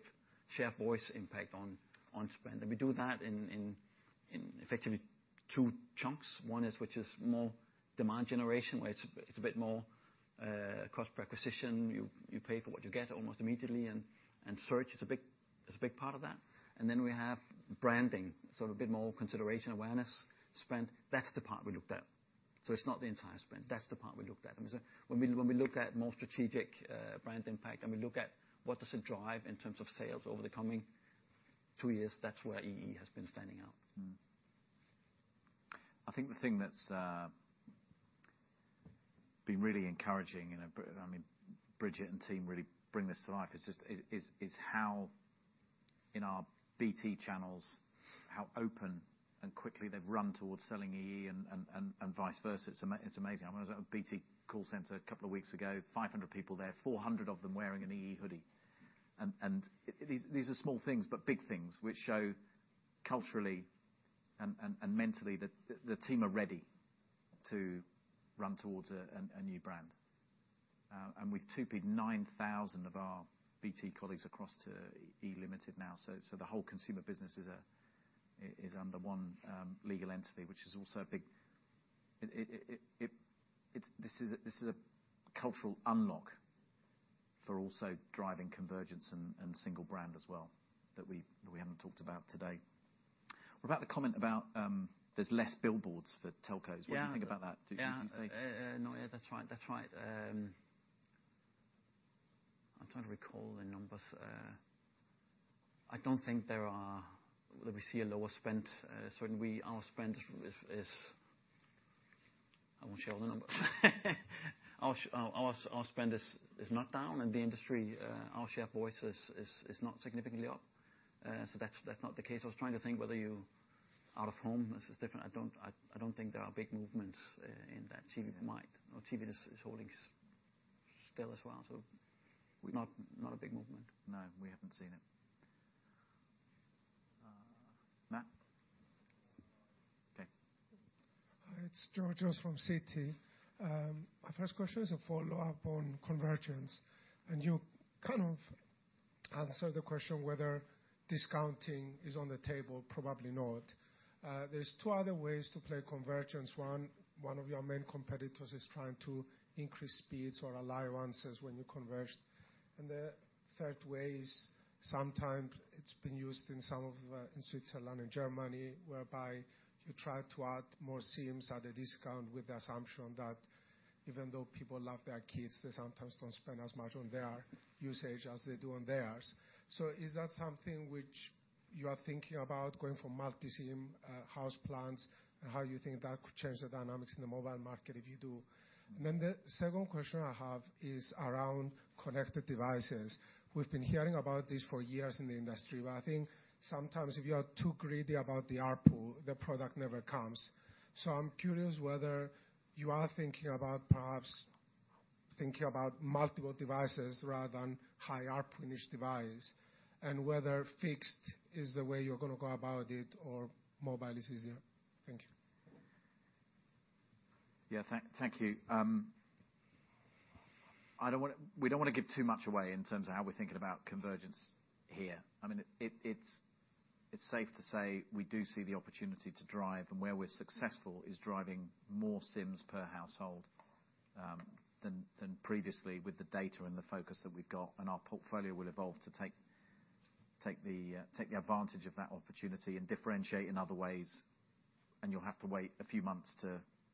share voice impact on spend. We do that in effectively two chunks. One is, which is more demand generation, where it's a bit more cost per acquisition. You pay for what you get almost immediately, and search is a big part of that. We have branding, so a bit more consideration, awareness spend. That's the part we looked at. It's not the entire spend. That's the part we looked at. When we look at more strategic brand impact, and we look at what does it drive in terms of sales over the coming two years, that's where EE has been standing out. I think the thing that's been really encouraging, and, I mean, Bridget and team really bring this to life, is just, is how in our BT channels, how open and quickly they've run towards selling EE and vice versa. It's amazing. I was at a BT call center a couple of weeks ago, 500 people there, 400 of them wearing an EE hoodie. These are small things, but big things, which show culturally and mentally that the team are ready to run towards a new brand. We've moved 9,000 of our BT colleagues across to EE Limited now, so the whole Consumer business is under one legal entity, which is also a big... This is a cultural unlock for also driving convergence and single brand as well, that we haven't talked about today. What about the comment about there's less billboards for telcos? Yeah. What do you think about that? Do you see? Yeah. That's right, that's right. I'm trying to recall the numbers. I don't think that we see a lower spend. I won't share all the numbers. Our spend is not down in the industry. Our share voice is not significantly up. That's not the case. I was trying to think whether you, out of home, this is different. I don't think there are big movements in that. TV might. Okay. TV is holding still as well. Not a big movement. No, we haven't seen it. Mark? Okay. Hi, it's Georgios from Citi. My first question is a follow-up on convergence. You kind of answered the question whether discounting is on the table, probably not. There's two other ways to play convergence. One, one of your main competitors is trying to increase speeds or allow answers when you converge. The third way is, sometimes it's been used in some of, in Switzerland and Germany, whereby you try to add more SIMs at a discount with the assumption that even though people love their kids, they sometimes don't spend as much on their usage as they do on theirs. Is that something which. You are thinking about going from multi-SIM house plans, and how you think that could change the dynamics in the mobile market if you do. The second question I have is around connected devices. We've been hearing about this for years in the industry, but I think sometimes if you are too greedy about the ARPU, the product never comes. I'm curious whether you are thinking about perhaps thinking about multiple devices rather than high ARPU in each device, and whether fixed is the way you're gonna go about it or mobile is easier. Thank you. Yeah. Thank you. We don't wanna give too much away in terms of how we're thinking about convergence here. I mean, it's safe to say we do see the opportunity to drive, and where we're successful is driving more SIMs per household, than previously with the data and the focus that we've got. Our portfolio will evolve to take the advantage of that opportunity and differentiate in other ways. You'll have to wait a few months to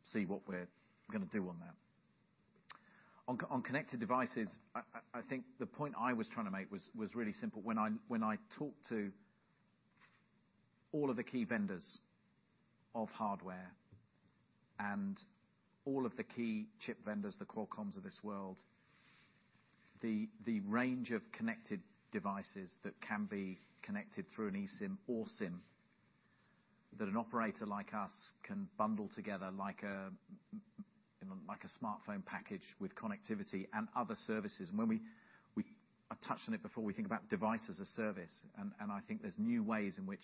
see what we're gonna do on that. On connected devices, I think the point I was trying to make was really simple. When I talk to all of the key vendors of hardware and all of the key chip vendors, the Qualcomms of this world, the range of connected devices that can be connected through an eSIM or SIM that an operator like us can bundle together like a smartphone package with connectivity and other services. When I've touched on it before, we think about device as a service. I think there's new ways in which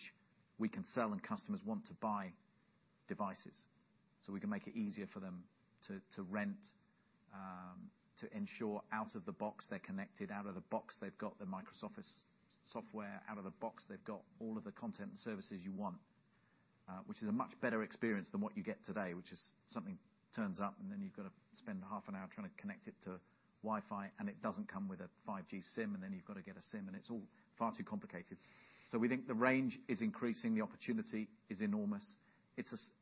we can sell and customers want to buy devices, so we can make it easier for them to rent, to ensure out of the box, they're connected out of the box. They've got the Microsoft 365 software out of the box. They've got all of the content and services you want, which is a much better experience than what you get today, which is something turns up, and then you've gotta spend half an hour trying to connect it to Wi-Fi, and it doesn't come with a 5G SIM. Then you've gotta get a SIM, and it's all far too complicated. We think the range is increasing. The opportunity is enormous.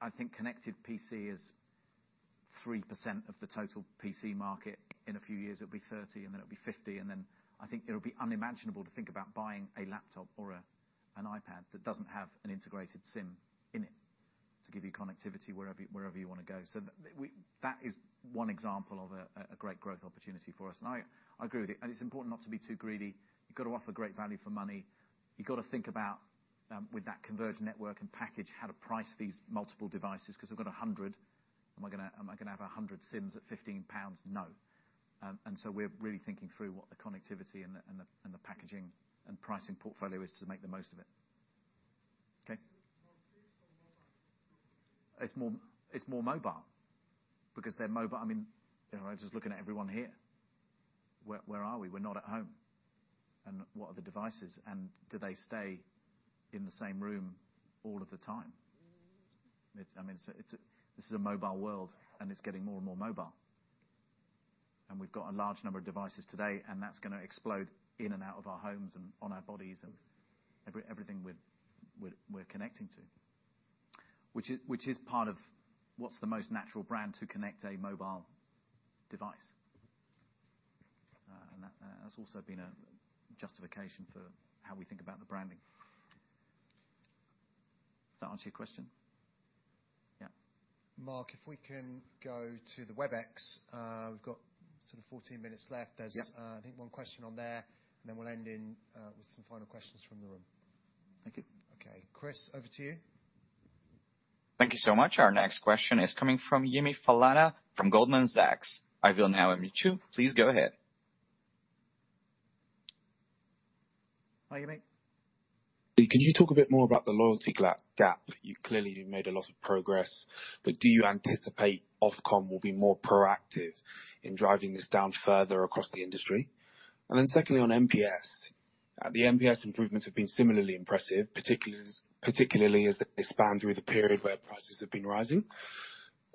I think connected PC is 3% of the total PC market. In a few years, it'll be 30%, and then it'll be 50%, and then I think it'll be unimaginable to think about buying a laptop or a, an iPad that doesn't have an integrated SIM in it to give you connectivity wherever you wanna go. That is one example of a great growth opportunity for us. I agree with you. It's important not to be too greedy. You've gotta offer great value for money. You've gotta think about, with that converged network and package, how to price these multiple devices, 'cause we've got 100. Am I gonna have 100 SIMs at 15 pounds? No. So we're really thinking through what the connectivity and the packaging and pricing portfolio is to make the most of it. Okay? More fixed or mobile? It's more mobile. Because they're mobile. I mean, you know, I'm just looking at everyone here. Where are we? We're not at home. What are the devices? Do they stay in the same room all of the time? I mean, this is a mobile world, and it's getting more and more mobile. We've got a large number of devices today, and that's gonna explode in and out of our homes and on our bodies and every-everything we're connecting to. Which is part of what's the most natural brand to connect a mobile device. That has also been a justification for how we think about the branding. Does that answer your question? Yeah. Marc, if we can go to the Webex. We've got sort of 14 minutes left. Yeah. There's, I think one question on there, and then we'll end in, with some final questions from the room. Thank you. Okay. Chris, over to you. Thank you so much. Our next question is coming from Yemi Falana from Goldman Sachs. I will now unmute you. Please go ahead. Hi, Yemi. Can you talk a bit more about the loyalty gap? You've clearly made a lot of progress, do you anticipate Ofcom will be more proactive in driving this down further across the industry? Secondly, on NPS. The NPS improvements have been similarly impressive, particularly as they span through the period where prices have been rising.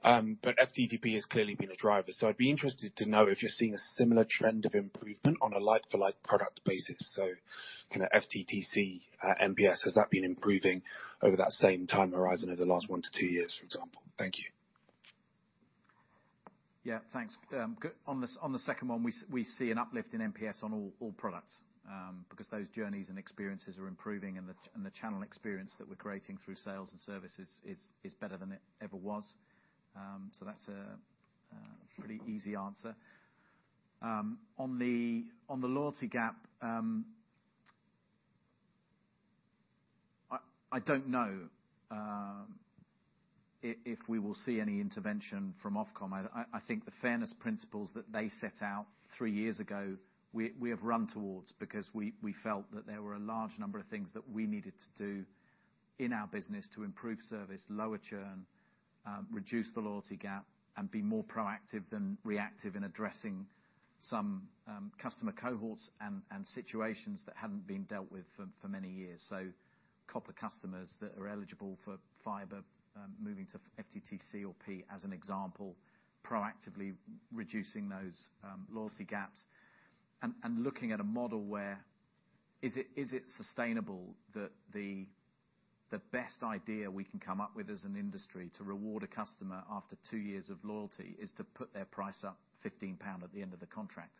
FTTP has clearly been a driver. I'd be interested to know if you're seeing a similar trend of improvement on a like-for-like product basis. Kinda FTTC, NPS, has that been improving over that same time horizon over the last one to two years, for example? Thank you. Thanks. On the second one, we see an uplift in NPS on all products because those journeys and experiences are improving, and the channel experience that we're creating through sales and services is better than it ever was. That's a pretty easy answer. On the loyalty gap, I don't know if we will see any intervention from Ofcom. I think the fairness principles that they set out three years ago, we have run towards because we felt that there were a large number of things that we needed to do in our business to improve service, lower churn, reduce the loyalty gap, and be more proactive than reactive in addressing some customer cohorts and situations that hadn't been dealt with for many years. So copper customers that are eligible for fiber, moving to FTTC or FTTP as an example, proactively reducing those loyalty gaps and looking at a model where is it sustainable that the best idea we can come up with as an industry to reward a customer after two years of loyalty is to put their price up 15 pound at the end of the contract.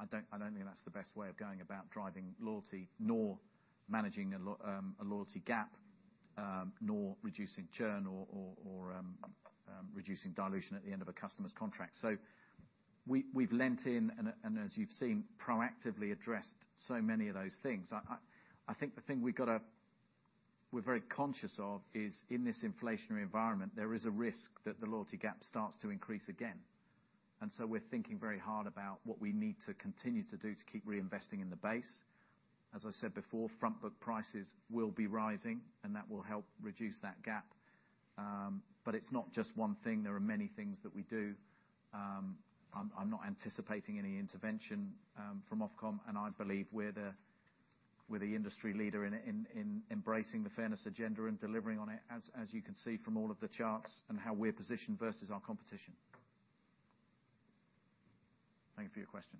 I don't, I don't think that's the best way of going about driving loyalty nor managing a loyalty gap, nor reducing churn reducing dilution at the end of a customer's contract. We, we've lent in and as you've seen, proactively addressed so many of those things. I think the thing we're very conscious of is in this inflationary environment, there is a risk that the loyalty gap starts to increase again. We're thinking very hard about what we need to continue to do to keep reinvesting in the base. As I said before, front book prices will be rising, and that will help reduce that gap. But it's not just one thing. There are many things that we do. I'm not anticipating any intervention from Ofcom. I believe we're the industry leader in embracing the fairness agenda and delivering on it, as you can see from all of the charts and how we're positioned versus our competition. Thank you for your question.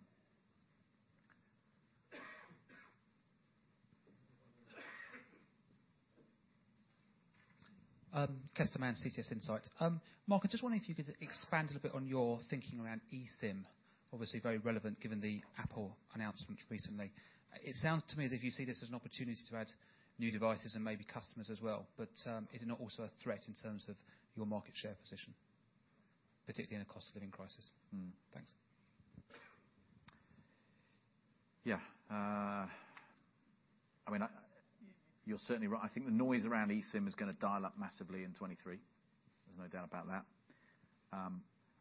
Kester Mann, CCS Insight. Marc, I just wondering if you could expand a bit on your thinking around eSIM. Obviously very relevant given the Apple announcements recently. It sounds to me as if you see this as an opportunity to add new devices and maybe customers as well. Is it not also a threat in terms of your market share position, particularly in a cost of living crisis? Thanks. Yeah. You're certainly right. I think the noise around eSIM is going to dial up massively in 2023. There's no doubt about that.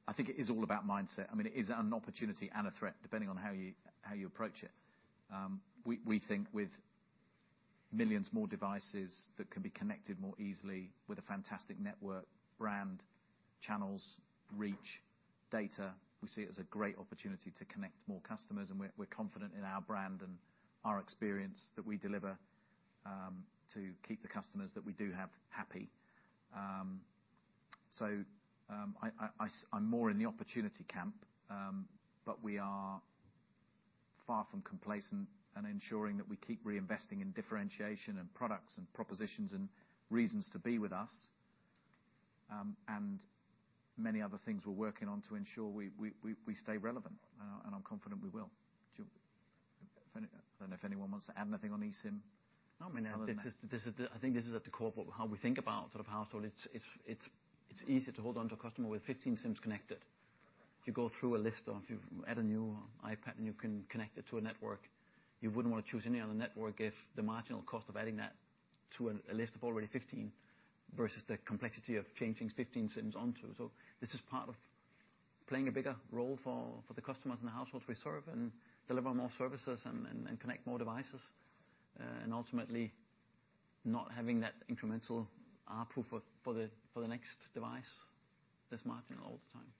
I think it is all about mindset. It is an opportunity and a threat depending on how you approach it. We think with millions more devices that can be connected more easily with a fantastic network, brand, channels, reach, data, we see it as a great opportunity to connect more customers, and we're confident in our brand and our experience that we deliver to keep the customers that we do have happy. I'm more in the opportunity camp. We are far from complacent in ensuring that we keep reinvesting in differentiation and products and propositions and reasons to be with us. Many other things we're working on to ensure we stay relevant, and I'm confident we will. Do you? I don't know if anyone wants to add anything on eSIM? No, I mean, this is the, I think this is at the core of how we think about sort of household. It's easier to hold on to a customer with 15 SIMs connected. If you go through a list or if you add a new iPad, and you can connect it to a network, you wouldn't wanna choose any other network if the marginal cost of adding that to a list of already 15 versus the complexity of changing 15 SIMs onto. This is part of playing a bigger role for the customers in the households we serve and deliver more services and connect more devices. Ultimately not having that incremental ARPU for the next device that's marginal all the time.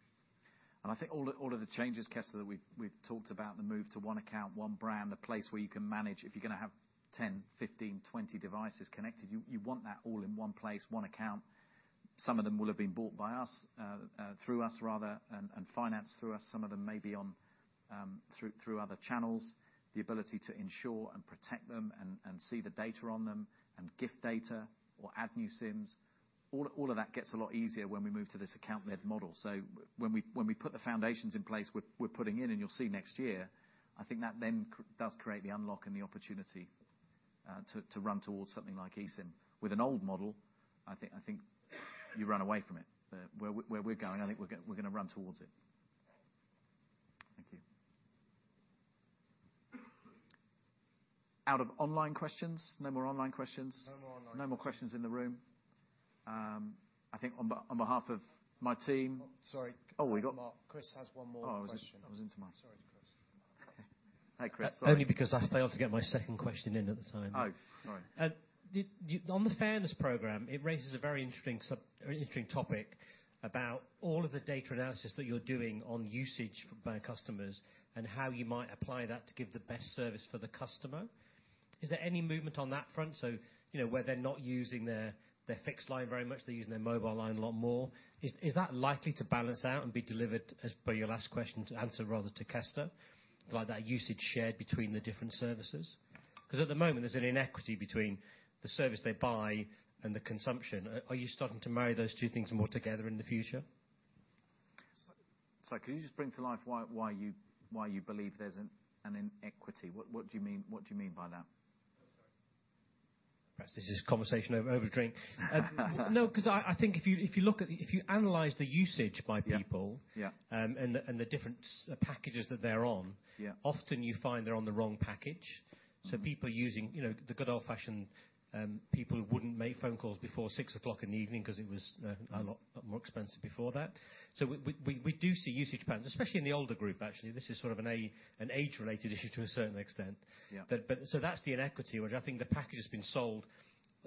I think all of the changes, Kester, that we've talked about, the move to one account, one brand, a place where you can manage. If you're gonna have 10, 15, 20 devices connected, you want that all in one place, one account. Some of them will have been bought by us, through us, rather, and financed through us. Some of them may be on, through other channels. The ability to insure and protect them and see the data on them and gift data or add new SIMs, all of that gets a lot easier when we move to this account led model. When we put the foundations in place, we're putting in and you'll see next year, I think that then does create the unlock and the opportunity to run towards something like eSIM. With an old model, I think you run away from it. Where we're going, I think we're gonna run towards it. Thank you. Out of online questions? No more online questions. No more online questions. No more questions in the room. I think on behalf of my team. Oh, sorry. Oh. Marc. Chris has one more question. Oh, I was. Sorry, Chris. Hi, Chris. Sorry. Only because I failed to get my second question in at the time. Oh, sorry. On the fairness program, it raises a very interesting sub, or interesting topic about all of the data analysis that you're doing on usage by customers and how you might apply that to give the best service for the customer. Is there any movement on that front? You know, where they're not using their fixed line very much, they're using their mobile line a lot more. Is that likely to balance out and be delivered as per your last question to answer, rather to Kester, like that usage shared between the different services? Because at the moment, there's an inequity between the service they buy and the consumption. Are you starting to marry those two things more together in the future? Sorry, could you just bring to life why you believe there's an inequity? What do you mean by that? Perhaps this is conversation over a drink. No, 'cause I think if you analyze the usage by people- Yeah. Yeah.... and the different packages that they're on. Yeah. often you find they're on the wrong package. Mm-hmm. People are using, you know, the good old-fashioned, people who wouldn't make phone calls before 6 o'clock in the evening 'cause it was a lot more expensive before that. We do see usage patterns, especially in the older group, actually. This is sort of an age-related issue to a certain extent. Yeah. That's the inequity, which I think the package has been sold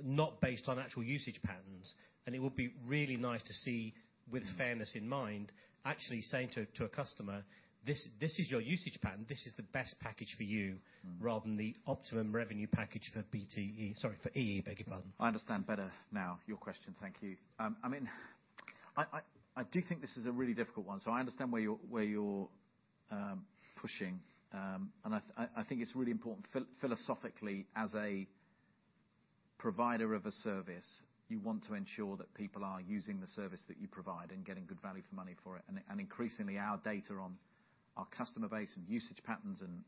not based on actual usage patterns. It would be really nice to see with fairness in mind, actually saying to a customer, "This is your usage pattern. This is the best package for you," rather than the optimum revenue package for BT, sorry for EE, beg your pardon. I understand better now your question. Thank you. I mean, I do think this is a really difficult one, so I understand where you're pushing. I think it's really important philosophically, as a provider of a service, you want to ensure that people are using the service that you provide and getting good value for money for it. Increasingly, our data on our customer base and usage patterns and,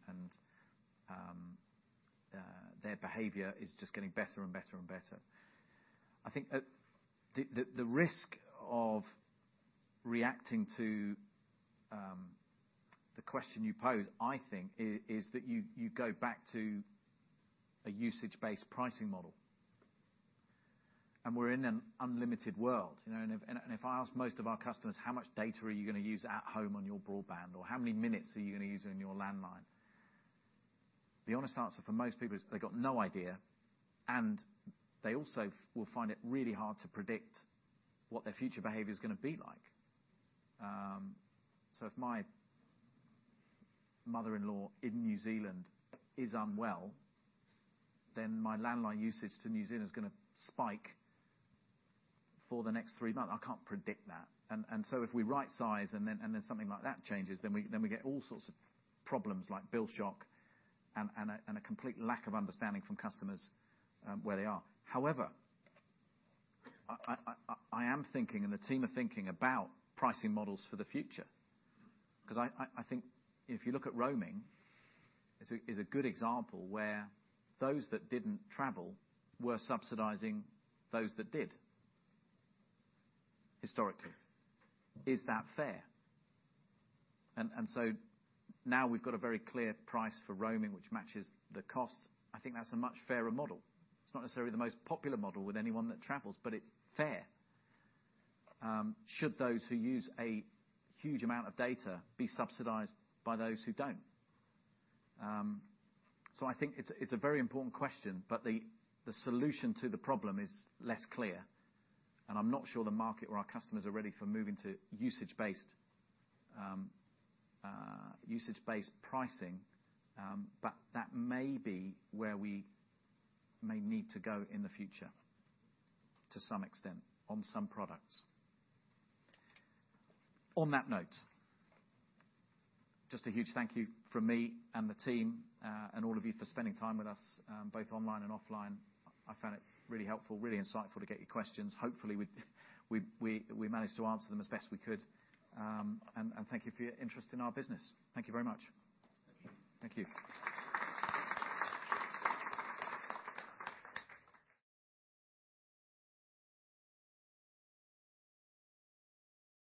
their behavior is just getting better and better and better. I think that the risk of reacting to the question you pose, I think is that you go back to a usage-based pricing model. We're in an unlimited world, you know. If I ask most of our customers, how much data are you gonna use at home on your broadband? Or how many minutes are you gonna use on your landline? The honest answer for most people is they've got no idea, and they also will find it really hard to predict what their future behavior's gonna be like. If my mother-in-law in New Zealand is unwell, then my landline usage to New Zealand is gonna spike for the next three months. I can't predict that. If we right size, and then something like that changes, then we get all sorts of problems like bill shock and a complete lack of understanding from customers, where they are. However, I am thinking and the team are thinking about pricing models for the future, 'cause I think if you look at roaming, it's a good example where those that didn't travel were subsidizing those that did, historically. Is that fair? Now we've got a very clear price for roaming, which matches the costs. I think that's a much fairer model. It's not necessarily the most popular model with anyone that travels, but it's fair. Should those who use a huge amount of data be subsidized by those who don't? So I think it's a very important question, but the solution to the problem is less clear. I'm not sure the market or our customers are ready for moving to usage-based pricing. That may be where we may need to go in the future to some extent on some products. On that note, just a huge thank you from me and the team, and all of you for spending time with us, both online and offline. I found it really helpful, really insightful to get your questions. Hopefully we managed to answer them as best we could. And thank you for your interest in our business. Thank you very much. Thank you.